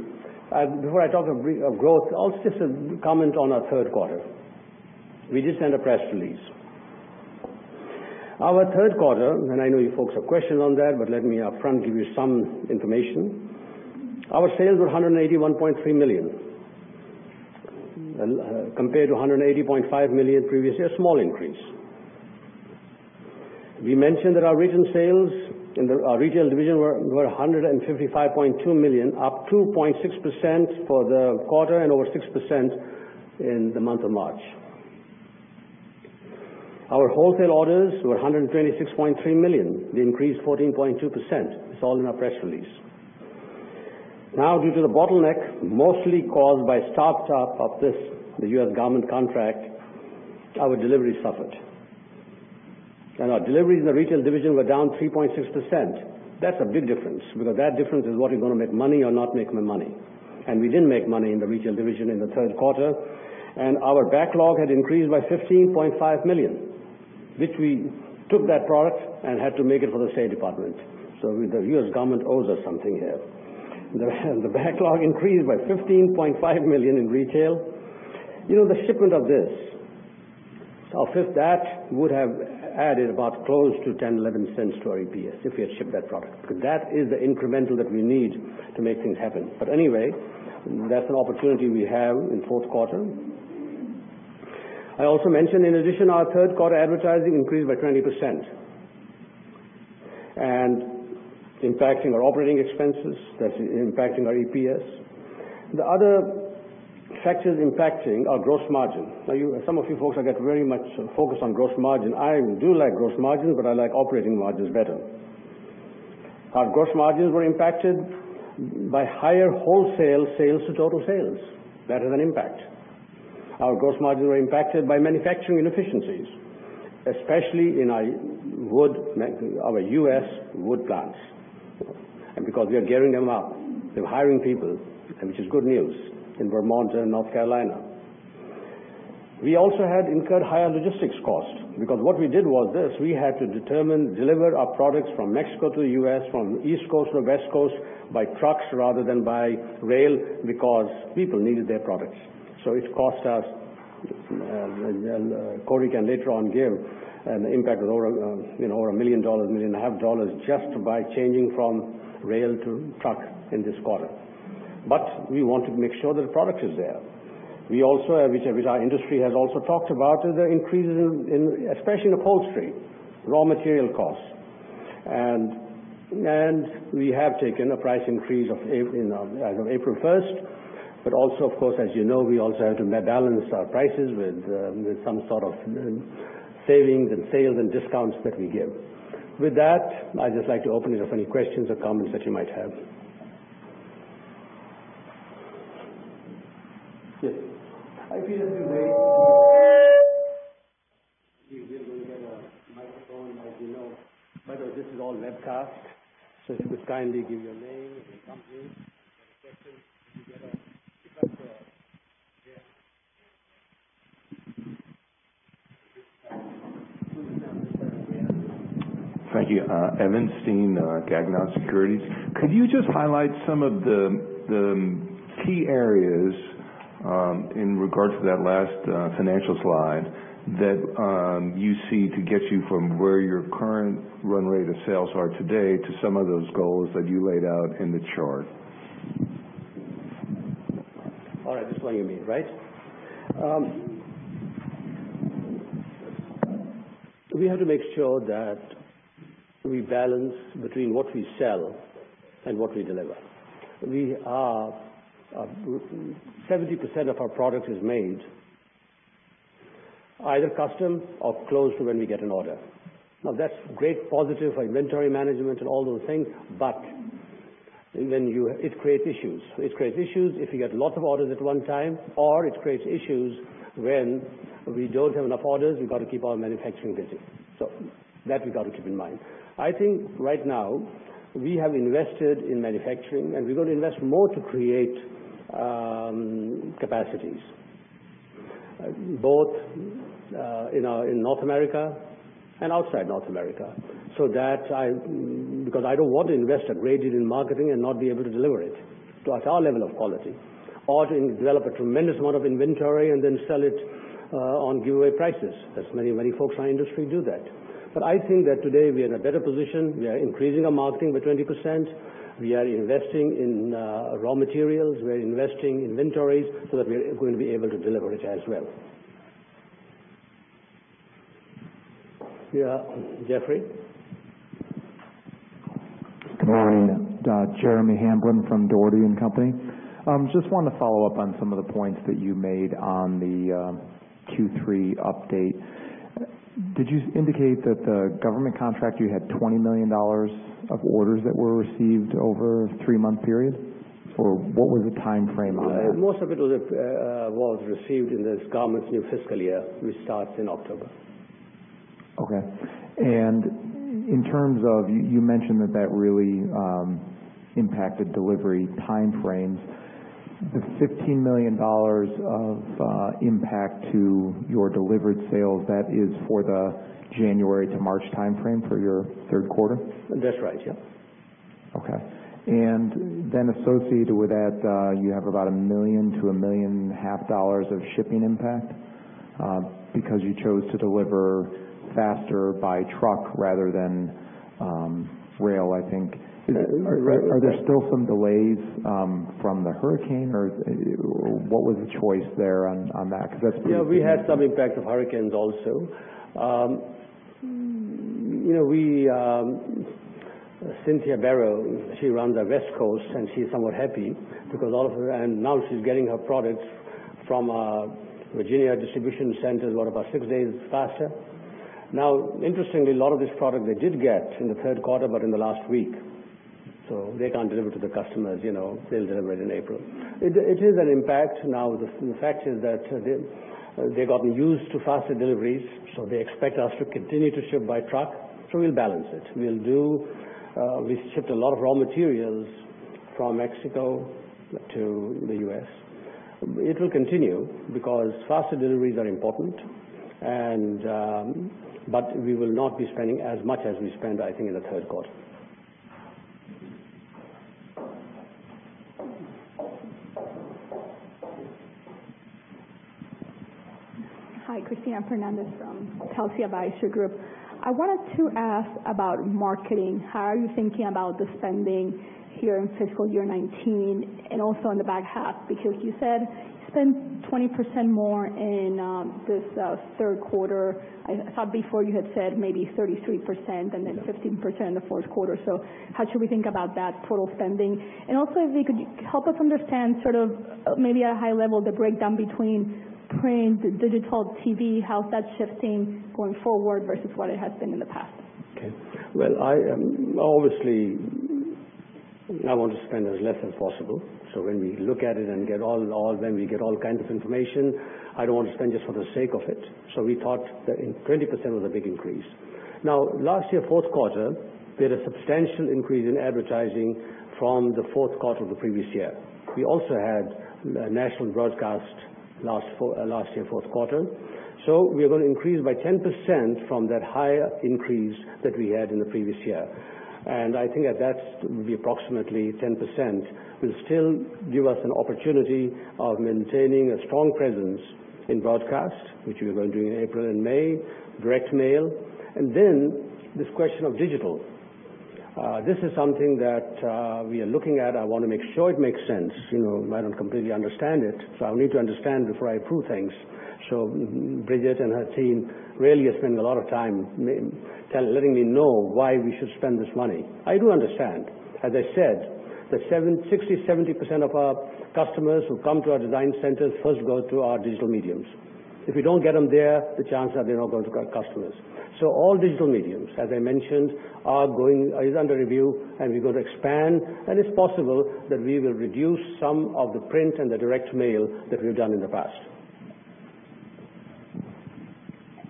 before I talk of growth, I'll just comment on our third quarter. We just sent a press release. Our third quarter, and I know you folks have questions on that, but let me upfront give you some information. Our sales were $181.3 million. Compared to $180.5 million previous year, small increase. We mentioned that our regional sales in our retail division were $155.2 million, up 2.6% for the quarter and over 6% in the month of March. Our wholesale orders were $126.3 million. They increased 14.2%. It's all in our press release. Due to the bottleneck, mostly caused by start-stop of the U.S. government contract, our delivery suffered. Our deliveries in the retail division were down 3.6%. That's a big difference because that difference is what is going to make money or not make money. We didn't make money in the retail division in the third quarter. Our backlog had increased by $15.5 million, which we took that product and had to make it for the State Department. The U.S. government owes us something here. The backlog increased by $15.5 million in retail. The shipment of this, if that would have added about close to $0.10, $0.11 to our EPS, if we had shipped that product. Because that is the incremental that we need to make things happen. Anyway, that's an opportunity we have in fourth quarter. I also mentioned, in addition, our third quarter advertising increased by 20%. Impacting our operating expenses, that's impacting our EPS. The other factors impacting our gross margin. Some of you folks are very much focused on gross margin. I do like gross margin, but I like operating margins better. Our gross margins were impacted by higher wholesale sales to total sales. That has an impact. Our gross margins were impacted by manufacturing inefficiencies, especially in our U.S. wood plants. Because we are gearing them up, we're hiring people, which is good news, in Vermont and North Carolina. We also had incurred higher logistics costs because what we did was this, we had to determine, deliver our products from Mexico to the U.S., from East Coast to the West Coast by trucks rather than by rail because people needed their products. It cost us, and Corey can later on give an impact of over $1 million, $1.5 million just by changing from rail to truck in this quarter. We wanted to make sure that the product is there. We also, which our industry has also talked about, is the increases in, especially in upholstery, raw material costs. We have taken a price increase as of April 1st. Also, of course, as you know, we also have to balance our prices with some sort of savings and sales and discounts that we give. With that, I'd just like to open it up for any questions or comments that you might have. Yes. I feel it's a waste. We will get a microphone, as you know. By the way, this is all webcast, so if you could kindly give your name and your company and your question. If you get up. Thank you. Evan Stein, Gagnon Securities. Could you just highlight some of the key areas, in regards to that last financial slide, that you see to get you from where your current run rate of sales are today to some of those goals that you laid out in the chart? All right. This is what you mean, right? We have to make sure that we balance between what we sell and what we deliver. 70% of our product is made either custom or close to when we get an order. Now, that's great positive for inventory management and all those things, but it creates issues. It creates issues if you get lots of orders at one time, or it creates issues when we don't have enough orders, we've got to keep our manufacturing busy. That we've got to keep in mind. I think right now we have invested in manufacturing, we're going to invest more to create capacities. Both in North America and outside North America. Because I don't want to invest at rated in marketing and not be able to deliver it to our level of quality. To develop a tremendous amount of inventory and then sell it on giveaway prices. As many folks in our industry do that. I think that today we are in a better position. We are increasing our marketing by 20%. We are investing in raw materials. We're investing inventories so that we're going to be able to deliver it as well. Yeah, Jeffrey? Good morning. Jeremy Hamblin from Dougherty & Company. Just wanted to follow up on some of the points that you made on the Q3 update. Did you indicate that the government contract, you had $20 million of orders that were received over a three-month period, or what was the timeframe on that? Most of it was received in this government's new fiscal year, which starts in October. Okay. In terms of, you mentioned that really impacted delivery timeframes. The $15 million of impact to your delivered sales, that is for the January to March timeframe for your third quarter? That's right, yeah. Okay. You have about $1 million-$1.5 million of shipping impact, because you chose to deliver faster by truck rather than rail, I think. Right. Are there still some delays from the hurricane, or what was the choice there on that? Yeah, we had some impact of hurricanes also. Cynthia Bero, she runs our West Coast, and she's somewhat happy because now she's getting her products from our Virginia distribution centers, what, about six days faster. Interestingly, a lot of this product they did get in the third quarter, but in the last week, so they can't deliver to the customers. They'll deliver it in April. It is an impact now. The fact is that they've gotten used to faster deliveries, so they expect us to continue to ship by truck. We'll balance it. We shipped a lot of raw materials from Mexico to the U.S. It will continue because faster deliveries are important. We will not be spending as much as we spent, I think, in the third quarter. Hi, Cristina Fernández from Telsey Advisory Group. I wanted to ask about marketing. How are you thinking about the spending here in fiscal year 2019, also in the back half? Because you said you spend 20% more in this third quarter. I thought before you had said maybe 33% then 15% in the fourth quarter. How should we think about that total spending? Also, if you could help us understand sort of maybe at a high level, the breakdown between print, digital, TV, how that's shifting going forward versus what it has been in the past. Well, obviously, I want to spend as less as possible. When we look at it and get all in all, then we get all kinds of information. I don't want to spend just for the sake of it. We thought that 20% was a big increase. Last year, fourth quarter, we had a substantial increase in advertising from the fourth quarter of the previous year. We also had national broadcast last year, fourth quarter. We're going to increase by 10% from that higher increase that we had in the previous year. I think that's approximately 10%, will still give us an opportunity of maintaining a strong presence in broadcast, which we're going to do in April and May. Direct mail. Then this question of digital. This is something that we are looking at. I want to make sure it makes sense. I don't completely understand it, I'll need to understand before I approve things. Bridget and her team really are spending a lot of time letting me know why we should spend this money. I do understand, as I said, that 60%-70% of our customers who come to our design centers first go through our digital mediums. If we don't get them there, the chance that they're not going to become customers. All digital mediums, as I mentioned, is under review, and we're going to expand. It's possible that we will reduce some of the print and the direct mail that we've done in the past.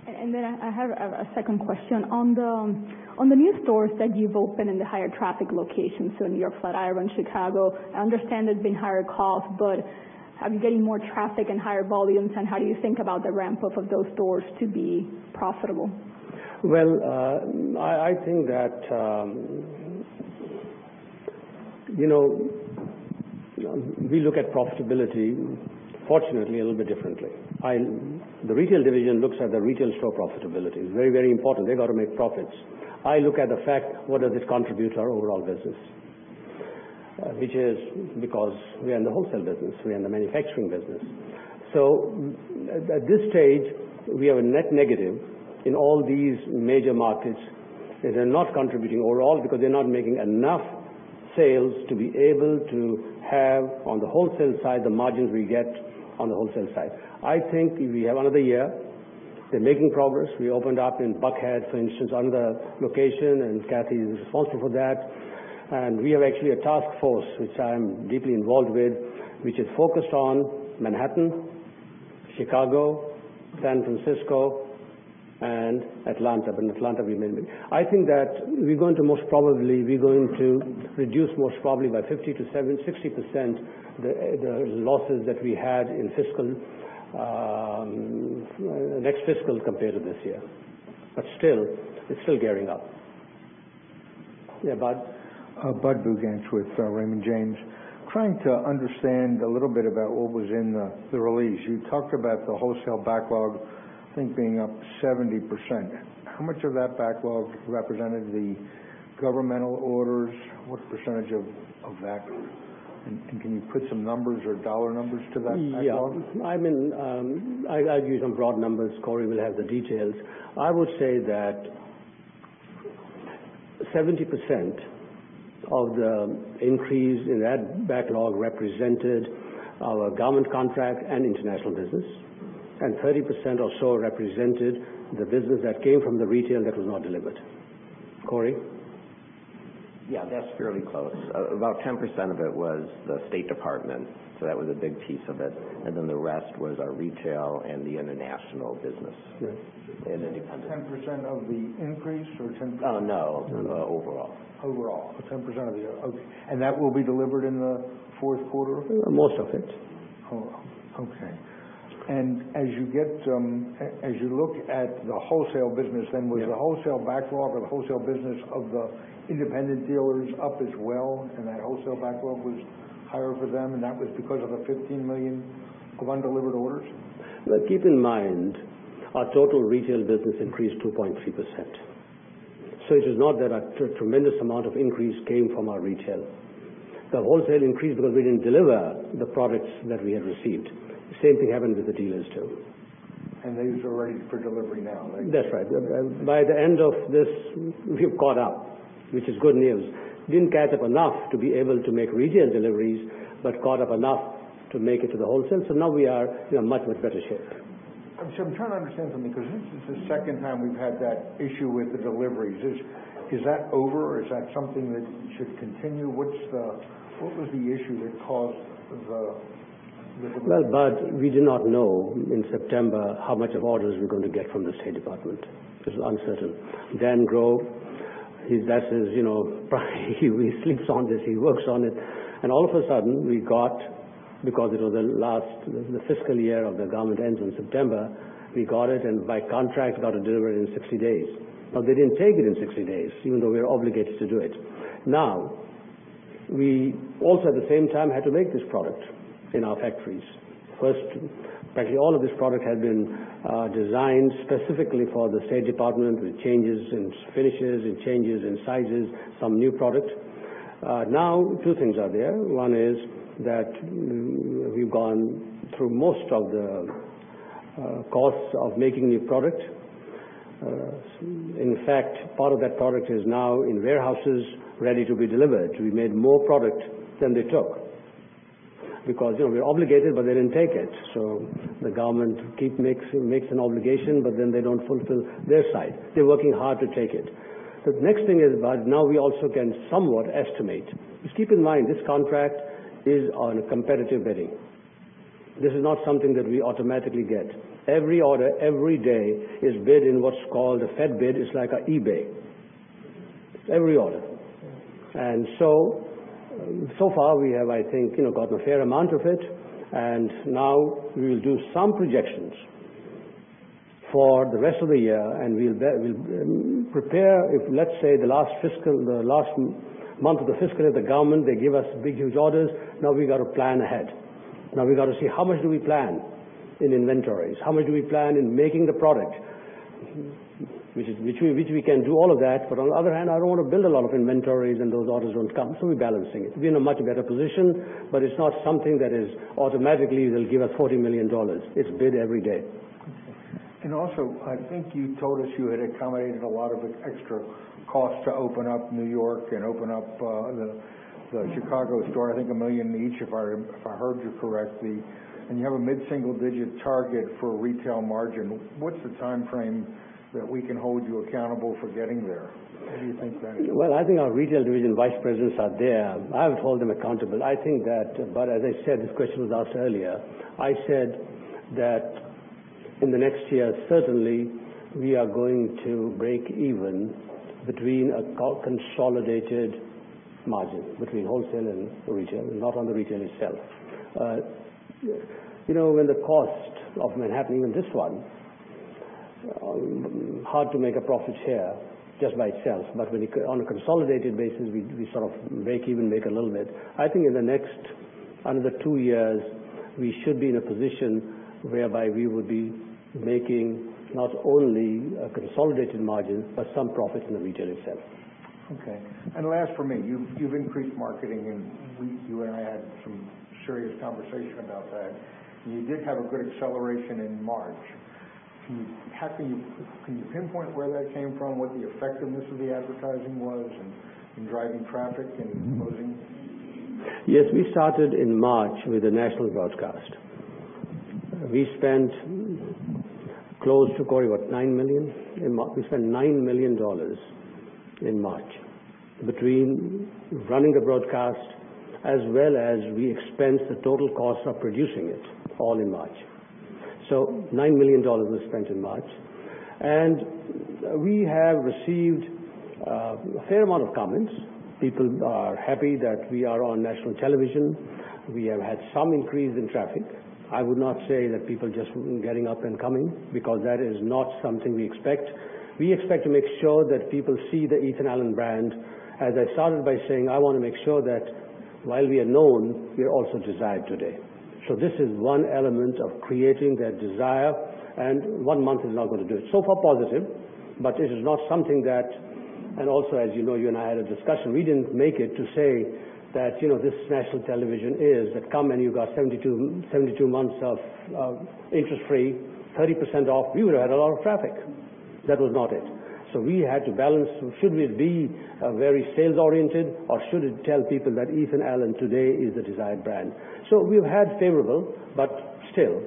Then I have a second question. On the new stores that you've opened in the higher traffic locations, New York, Flatiron, Chicago, I understand there's been higher costs, are you getting more traffic and higher volumes, how do you think about the ramp-up of those stores to be profitable? I think that we look at profitability, fortunately, a little bit differently. The retail division looks at the retail store profitability. It's very, very important. They got to make profits. I look at the fact, what does this contribute to our overall business? Which is because we are in the wholesale business, we are in the manufacturing business. At this stage, we have a net negative in all these major markets. They're not contributing overall because they're not making enough sales to be able to have on the wholesale side, the margins we get on the wholesale side. I think we have another year. We're making progress. We opened up in Buckhead, for instance, another location, and Kathy is responsible for that. We have actually a task force, which I'm deeply involved with, which is focused on Manhattan, Chicago, San Francisco, and Atlanta. In Atlanta, I think that we're going to most probably, we're going to reduce most probably by 50%-60% the losses that we had in next fiscal compared to this year. Still, it's still gearing up. Yeah, Bud? Budd Bugatch with Raymond James. Trying to understand a little bit about what was in the release. You talked about the wholesale backlog, I think, being up 70%. How much of that backlog represented the governmental orders? What percentage of that? Can you put some numbers or dollar numbers to that backlog? Yeah. I'll give you some broad numbers. Corey will have the details. I will say that 70% of the increase in that backlog represented our government contract and international business, 30% or so represented the business that came from the retail that was not delivered. Corey? Yeah, that's fairly close. About 10% of it was the State Department, that was a big piece of it. The rest was our retail and the international business. Yes. 10% of the increase or 10%- No. Overall. Overall. 10% of the overall. Okay. That will be delivered in the fourth quarter? Most of it. Okay. As you look at the wholesale business. Yeah Was the wholesale backlog or the wholesale business of the independent dealers up as well, and that wholesale backlog was higher for them, and that was because of the $15 million of undelivered orders? Keep in mind, our total retail business increased 2.3%. It is not that a tremendous amount of increase came from our retail. The wholesale increased because we didn't deliver the products that we had received. Same thing happened with the dealers, too. These are ready for delivery now. That's right. By the end of this, we've caught up, which is good news. Didn't catch up enough to be able to make retail deliveries, but caught up enough to make it to the wholesale. Now we are in a much, much better shape. I'm trying to understand something, because this is the second time we've had that issue with the deliveries. Is that over, or is that something that should continue? What was the issue that caused the deliveries? Well, Bud, we did not know in September how much of orders we're going to get from the State Department, which was uncertain. Dan Grow, he sleeps on this, he works on it. All of a sudden, we got, because the fiscal year of the government ends in September, we got it, and by contract, got to deliver it in 60 days. They didn't take it in 60 days, even though we were obligated to do it. Now, we also, at the same time, had to make this product in our factories first. Actually, all of this product had been designed specifically for the State Department, with changes in finishes and changes in sizes, some new product. Now two things are there. One is that we've gone through most of the costs of making new product. In fact, part of that product is now in warehouses ready to be delivered. We made more product than they took because we're obligated, but they didn't take it. The government makes an obligation, but then they don't fulfill their side. They're working hard to take it. The next thing is, Bud, now we also can somewhat estimate. Just keep in mind, this contract is on a competitive bidding. This is not something that we automatically get. Every order, every day, is bid in what's called a FedBid. It's like an eBay. Every order. Yeah. So far we have, I think, got a fair amount of it. Now we will do some projections for the rest of the year, and we'll prepare if, let's say, the last month of the fiscal year, the government, they give us big huge orders, now we've got to plan ahead. Now we got to see how much do we plan in inventories? How much do we plan in making the product? Which we can do all of that, but on the other hand, I don't want to build a lot of inventories, and those orders won't come, so we're balancing it. We're in a much better position, but it's not something that is automatically, they'll give us $40 million. It's bid every day. Also, I think you told us you had accommodated a lot of extra cost to open up New York and open up the Chicago store. I think $1 million each, if I heard you correctly. You have a mid-single-digit target for retail margin. What's the timeframe that we can hold you accountable for getting there? When do you think that is? I think our retail division vice presidents are there. I would hold them accountable. As I said, this question was asked earlier. I said that in the next year, certainly, we are going to break even between a consolidated margin, between wholesale and retail, not on the retail itself. When the cost of Manhattan, even this one, hard to make a profit here just by itself. On a consolidated basis, we sort of break even, make a little bit. I think in the next, under two years, we should be in a position whereby we will be making not only a consolidated margin, but some profit in the retail itself. Last from me. You've increased marketing, and you and I had some serious conversation about that. You did have a good acceleration in March. Can you pinpoint where that came from, what the effectiveness of the advertising was in driving traffic and closing? Yes. We started in March with a national broadcast. We spent close to, Corey, what, $9 million in March? We spent $9 million in March between running a broadcast as well as we expensed the total cost of producing it all in March. $9 million was spent in March. We have received a fair amount of comments. People are happy that we are on national television. We have had some increase in traffic. I would not say that people just getting up and coming, because that is not something we expect. We expect to make sure that people see the Ethan Allen brand. As I started by saying, I want to make sure that while we are known, we are also desired today. This is one element of creating that desire, and one month is not going to do it. Far positive, but it is not something that. Also, as you know, you and I had a discussion. We didn't make it to say that, "This national television is, that come and you got 72 months of interest-free, 30% off." We would've had a lot of traffic. That was not it. We had to balance, should we be very sales-oriented, or should it tell people that Ethan Allen today is the desired brand? We've had favorable, but still,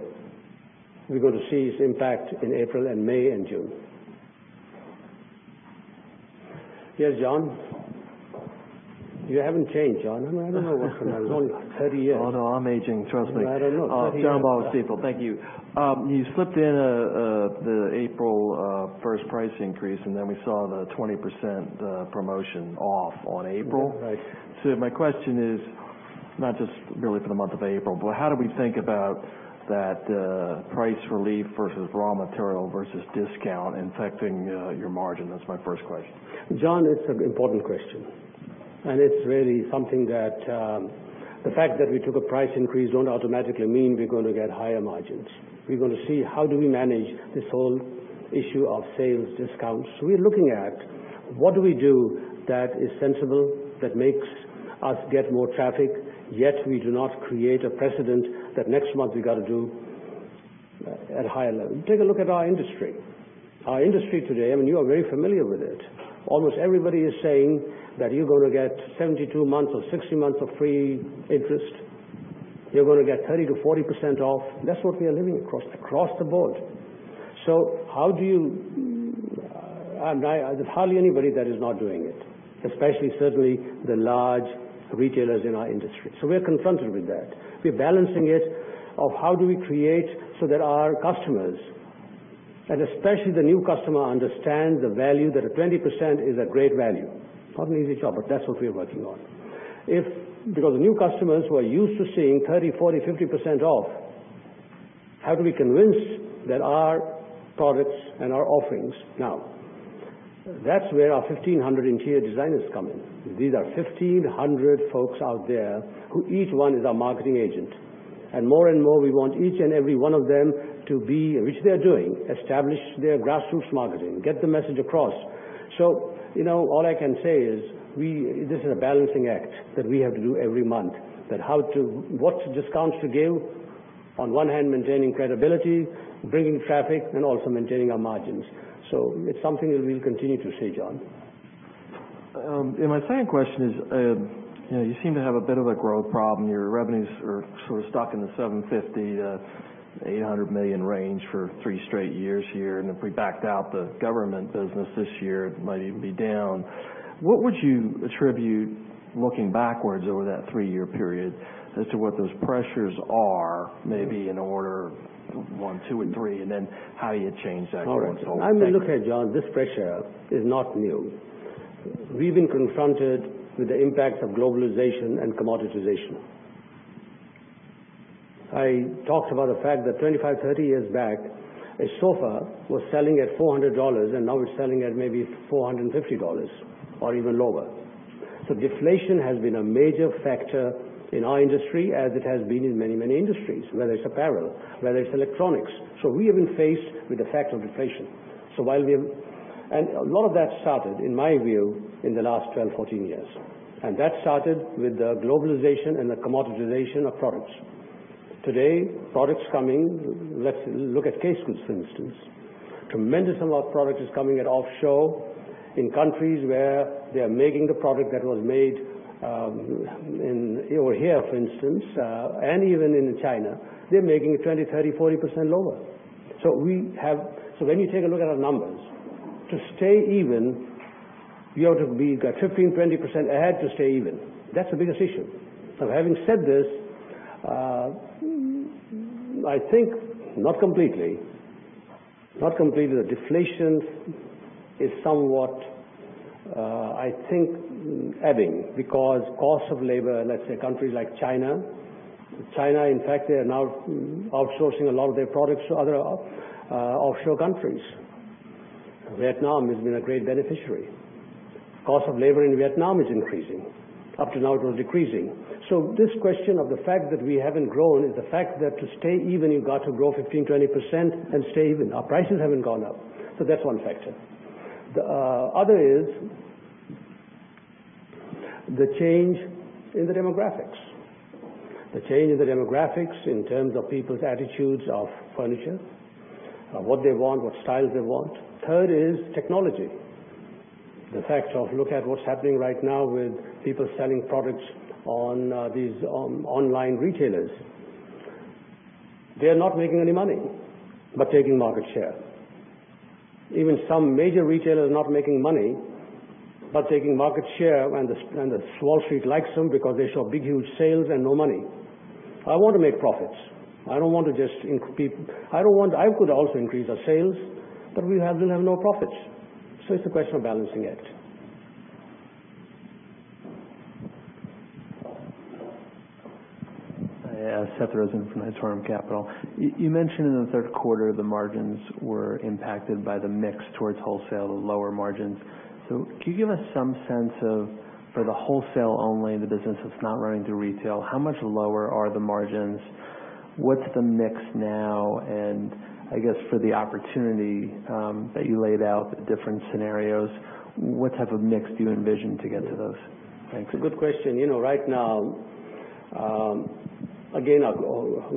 we're going to see its impact in April and May and June. Yes, John. You haven't changed, John. I don't know what for 30 years. No, I'm aging, trust me. I don't know. John Baugh, Stifel. Thank you. You slipped in the April 1st price increase, then we saw the 20% promotion off on April. Right. My question is not just really for the month of April, but how do we think about that price relief versus raw material versus discount affecting your margin? That's my first question. John, it's an important question, it's really something that the fact that we took a price increase don't automatically mean we're going to get higher margins. We're going to see how do we manage this whole issue of sales discounts. We're looking at what do we do that is sensible, that makes us get more traffic, yet we do not create a precedent that next month we got to do at higher level. Take a look at our industry. Our industry today, you are very familiar with it. Almost everybody is saying that you're going to get 72 months or 60 months of free interest. You're going to get 30% to 40% off. That's what we are living across the board. Hardly anybody that is not doing it, especially certainly the large retailers in our industry. We're confronted with that. We're balancing it of how do we create so that our customers, and especially the new customer, understand the value that a 20% is a great value. Not an easy job, but that's what we are working on. Because the new customers who are used to seeing 30%, 40%, 50% off, how do we convince that our products and our offerings. That's where our 1,500 interior designers come in. These are 1,500 folks out there who each one is our marketing agent. More and more, we want each and every one of them to be, which they're doing, establish their grassroots marketing, get the message across. All I can say is this is a balancing act that we have to do every month, that what discounts to give, on one hand maintaining credibility, bringing traffic, and also maintaining our margins. It's something that we'll continue to see, John. My second question is, you seem to have a bit of a growth problem. Your revenues are sort of stuck in the $750 million-$800 million range for three straight years here, and if we backed out the government business this year, it might even be down. What would you attribute, looking backwards over that three-year period, as to what those pressures are, maybe in order one, two, and three, then how you change that going forward? All right. I mean, look here, John, this pressure is not new. We've been confronted with the impact of globalization and commoditization. I talked about the fact that 25, 30 years back, a sofa was selling at $400, and now it's selling at maybe $450 or even lower. Deflation has been a major factor in our industry as it has been in many, many industries, whether it's apparel, whether it's electronics. We have been faced with the fact of deflation. A lot of that started, in my view, in the last 12, 14 years. That started with the globalization and the commoditization of products. Today, products coming, let's look at case goods, for instance. Tremendous amount of product is coming at offshore in countries where they are making the product that was made over here, for instance, and even in China. When you take a look at our numbers, to stay even, we got 15%-20% ahead to stay even. That's the biggest issue. Having said this, I think not completely, the deflation is somewhat, I think, ebbing because cost of labor, let's say countries like China. China, in fact, they are now outsourcing a lot of their products to other offshore countries. Vietnam has been a great beneficiary. Cost of labor in Vietnam is increasing. Up to now, it was decreasing. This question of the fact that we haven't grown is the fact that to stay even, you've got to grow 15%-20% and stay even. Our prices haven't gone up. That's one factor. The other is the change in the demographics, the change in the demographics in terms of people's attitudes of furniture, what they want, what styles they want. Third is technology. The fact of look at what's happening right now with people selling products on these online retailers. They are not making any money, but taking market share. Even some major retailers not making money, but taking market share, and Wall Street likes them because they show big, huge sales and no money. I want to make profits. I could also increase our sales, but we will have no profits. It's a question of balancing it. Hi, Seth Rosen from Nitorum Capital. You mentioned in the third quarter, the margins were impacted by the mix towards wholesale, the lower margins. Can you give us some sense of, for the wholesale-only, the business that's not running through retail, how much lower are the margins? What's the mix now? I guess for the opportunity that you laid out, the different scenarios, what type of mix do you envision to get to those? Thanks. It's a good question. Right now, again, our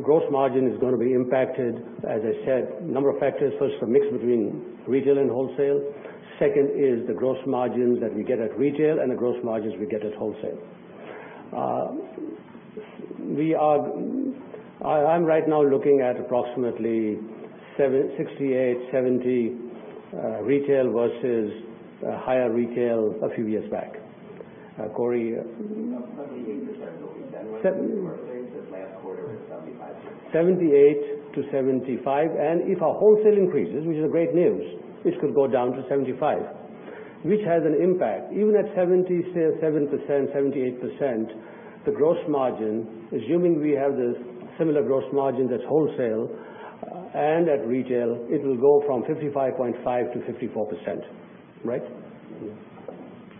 gross margin is going to be impacted, as I said, number of factors. First, a mix between retail and wholesale. Second is the gross margins that we get at retail and the gross margins we get at wholesale. I'm right now looking at approximately 68%-70% retail versus higher retail a few years back. Corey? 78% is what we generally say, because last quarter it was 75%. 78% to 75%. If our wholesale increases, which is great news, it could go down to 75%, which has an impact. Even at 77%, 78%, the gross margin, assuming we have the similar gross margin at wholesale and at retail, it will go from 55.5% to 54%. Right? Yes.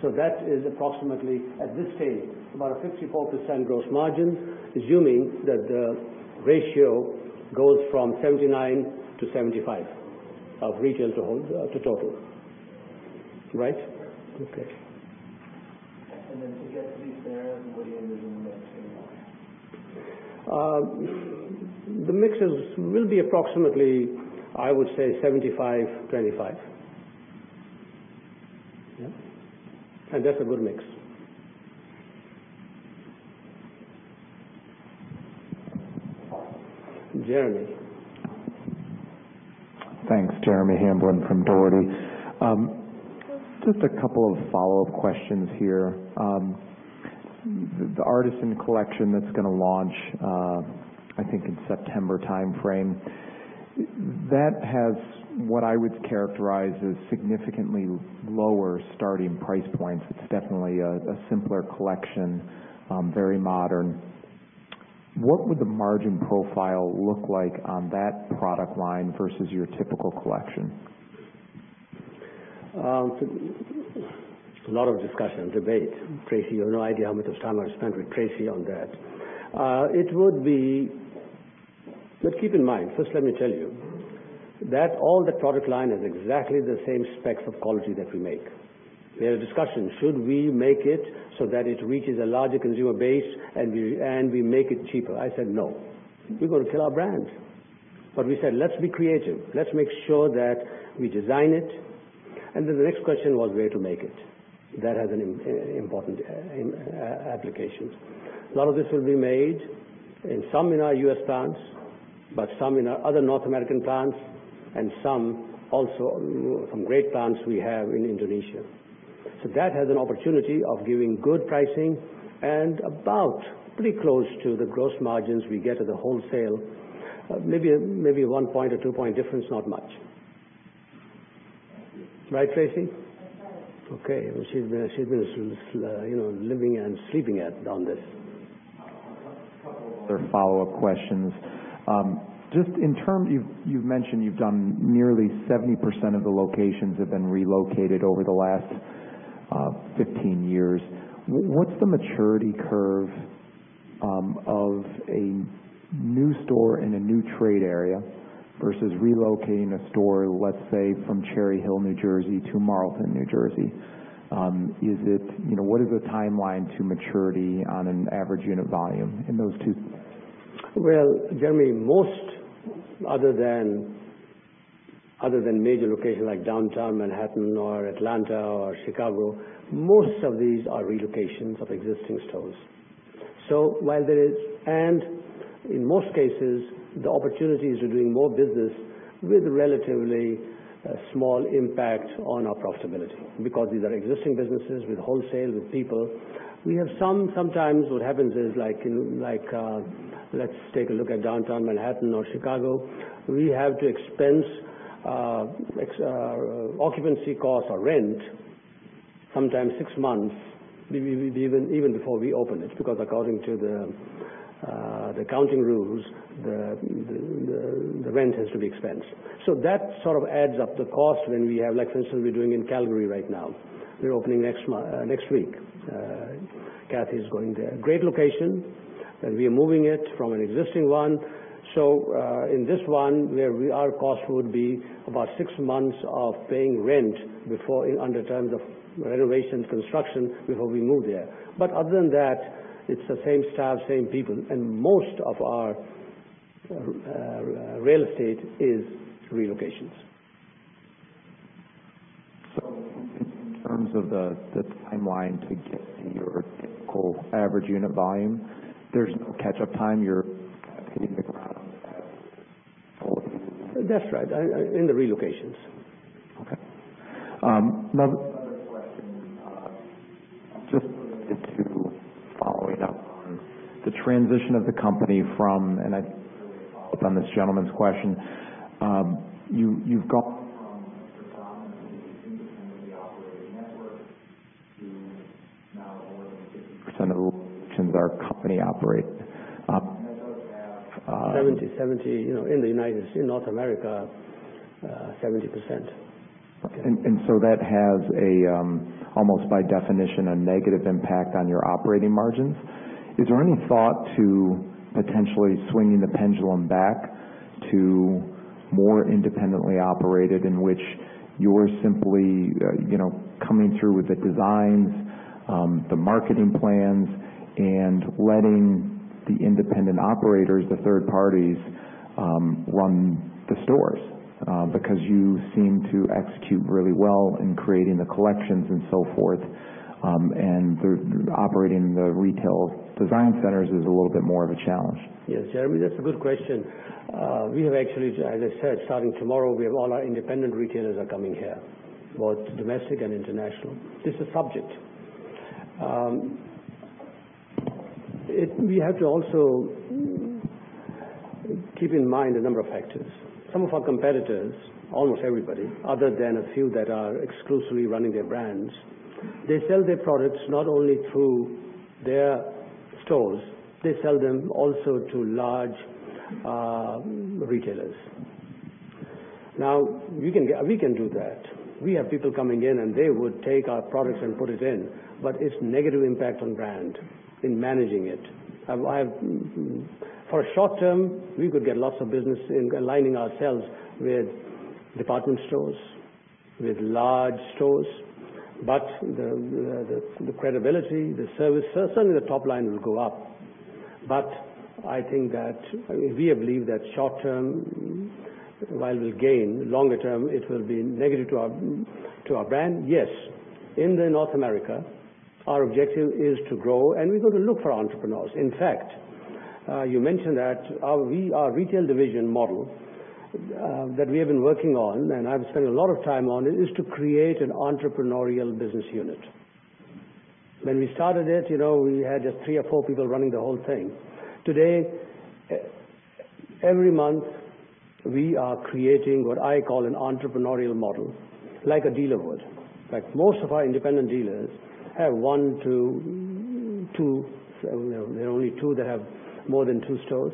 That is approximately, at this stage, about a 54% gross margin, assuming that the ratio goes from 79% to 75% of retail to total. Right? Okay. To get to these scenarios, what do you envision the mix to be? The mixes will be approximately, I would say, 75/25. Yeah. That's a good mix, Jeremy. Thanks. Jeremy Hamblin from Dougherty. Just a couple of follow-up questions here. The Artisan Collection that's going to launch, I think in September timeframe. That has, what I would characterize as significantly lower starting price points. It's definitely a simpler collection, very modern. What would the margin profile look like on that product line versus your typical collection? A lot of discussion, debate. Tracy, you have no idea how much time I spent with Tracy on that. Keep in mind, first let me tell you, that all the product line is exactly the same specs of quality that we make. We had a discussion, should we make it so that it reaches a larger consumer base and we make it cheaper? I said, "No. We're going to kill our brand." We said, "Let's be creative. Let's make sure that we design it." The next question was where to make it. That has an important application. A lot of this will be made, some in our U.S. plants, but some in our other North American plants, and some also from great plants we have in Indonesia. That has an opportunity of giving good pricing and about pretty close to the gross margins we get at the wholesale. Maybe one point or two point difference, not much. Right, Tracy? That's right. Okay. She's been living and sleeping on this. A couple of other follow-up questions. You've mentioned you've done nearly 70% of the locations have been relocated over the last 15 years. What's the maturity curve of a new store in a new trade area versus relocating a store, let's say from Cherry Hill, New Jersey to Marlton, New Jersey? What is the timeline to maturity on an average unit volume in those two? Well, Jeremy, most, other than major locations like downtown Manhattan or Atlanta or Chicago, most of these are relocations of existing stores. In most cases, the opportunities are doing more business with a relatively small impact on our profitability because these are existing businesses with wholesale, with people. Sometimes what happens is, let's take a look at downtown Manhattan or Chicago. We have to expense occupancy cost or rent, sometimes six months, even before we open it, because according to the accounting rules, the rent has to be expensed. That sort of adds up the cost when we have, like for instance, we're doing in Calgary right now. We're opening next week. Kathy's going there. Great location, and we are moving it from an existing one. In this one, our cost would be about 6 months of paying rent under terms of renovation, construction before we move there. Other than that, it's the same staff, same people, and most of our real estate is relocations. In terms of the timeline to get to your typical average unit volume, there's no catch-up time? That's right. In the relocations. Okay. Another question, just to follow it up on the transition of the company from, and I think this really follows up on this gentleman's question. You've gone from predominantly independently operated network to now more than 60% of the locations our company operates. 70% in North America. Okay. That has almost by definition, a negative impact on your operating margins. Is there any thought to potentially swinging the pendulum back to more independently operated, in which you are simply coming through with the designs, the marketing plans, and letting the independent operators, the third parties, run the stores? Because you seem to execute really well in creating the collections and so forth, and operating the retail design centers is a little bit more of a challenge. Yes, Jeremy, that's a good question. We have actually, as I said, starting tomorrow, all our independent retailers are coming here, both domestic and international. This is subject. We have to also keep in mind a number of factors. Some of our competitors, almost everybody, other than a few that are exclusively running their brands, they sell their products not only through their stores, they sell them also to large retailers. Now, we can do that. We have people coming in, and they would take our products and put it in. It's negative impact on brand in managing it. For short-term, we could get lots of business in aligning ourselves with department stores, with large stores, but the credibility, the service, certainly the top line will go up. I think that we believe that short-term, while we'll gain, longer term, it will be negative to our brand. Yes. In North America, our objective is to grow, and we're going to look for entrepreneurs. In fact, you mentioned that our retail division model that we have been working on, and I've spent a lot of time on it, is to create an entrepreneurial business unit. When we started it, we had just three or four people running the whole thing. Today, every month, we are creating what I call an entrepreneurial model, like a dealer would. In fact, most of our independent dealers have one, two. There are only two that have more than two stores.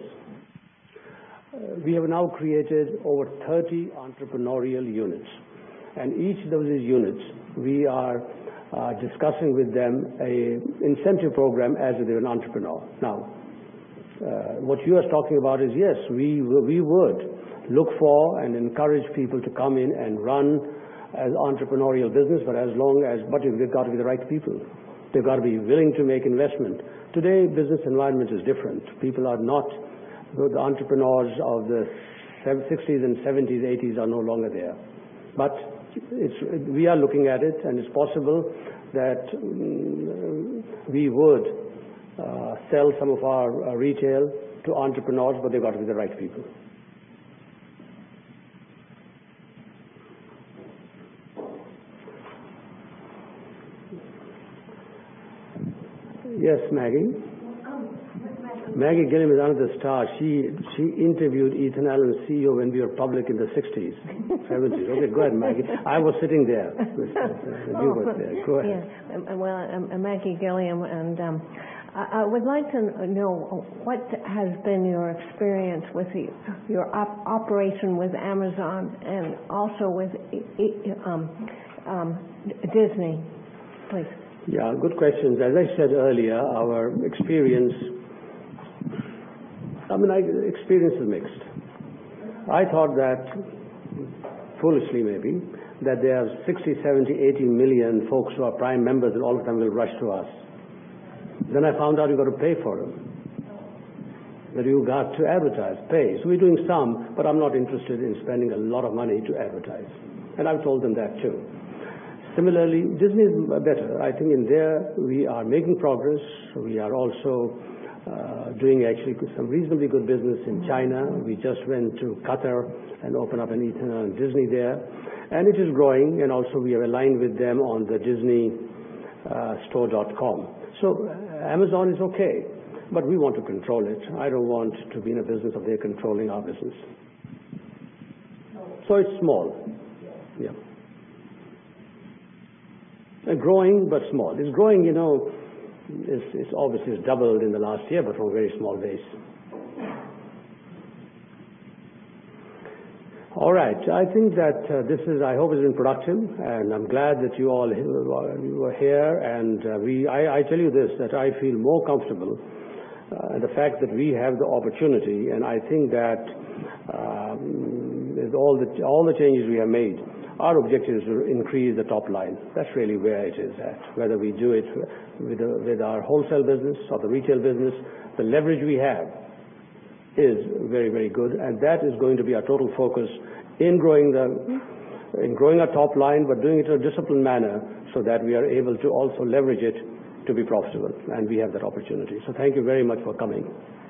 We have now created over 30 entrepreneurial units, and each of those units, we are discussing with them a incentive program as if they're an entrepreneur. What you are talking about is, yes, we would look for and encourage people to come in and run an entrepreneurial business, but they've got to be the right people. They've got to be willing to make investment. Today, business environment is different. People are not good entrepreneurs of the '60s and '70s, '80s are no longer there. We are looking at it, and it's possible that we would sell some of our retail to entrepreneurs, but they've got to be the right people. Yes, Maggie? Oh. Maggie Gilliam is another star. She interviewed Ethan Allen CEO when we were public in the '60s, '70s. Okay, go ahead, Maggie. I was sitting there. You were there. Go ahead. Yes. I'm Maggie Gilliam, and I would like to know what has been your experience with your operation with Amazon and also with Disney, please. Good questions. As I said earlier, our experience is mixed. I thought that, foolishly maybe, that there are 60 million, 70 million, 80 million folks who are Prime members and all of them will rush to us. I found out you got to pay for them. Oh. That you've got to advertise, pay. We're doing some, but I'm not interested in spending a lot of money to advertise. I've told them that, too. Similarly, Disney is better. I think in there, we are making progress. We are also doing actually some reasonably good business in China. We just went to Qatar and opened up an Ethan Allen Disney there, and it is growing, and also we are aligned with them on the disneystore.com. Amazon is okay, but we want to control it. I don't want to be in a business of their controlling our business. It's small. Yeah. Yeah. Growing but small. It's growing. It's obviously doubled in the last year, but from a very small base. All right. I hope it's been productive, I'm glad that you all were here. I tell you this, that I feel more comfortable in the fact that we have the opportunity, I think that with all the changes we have made, our objective is to increase the top line. That's really where it is at. Whether we do it with our wholesale business or the retail business, the leverage we have is very, very good, and that is going to be our total focus in growing our top line, but doing it in a disciplined manner so that we are able to also leverage it to be profitable, and we have that opportunity. Thank you very much for coming.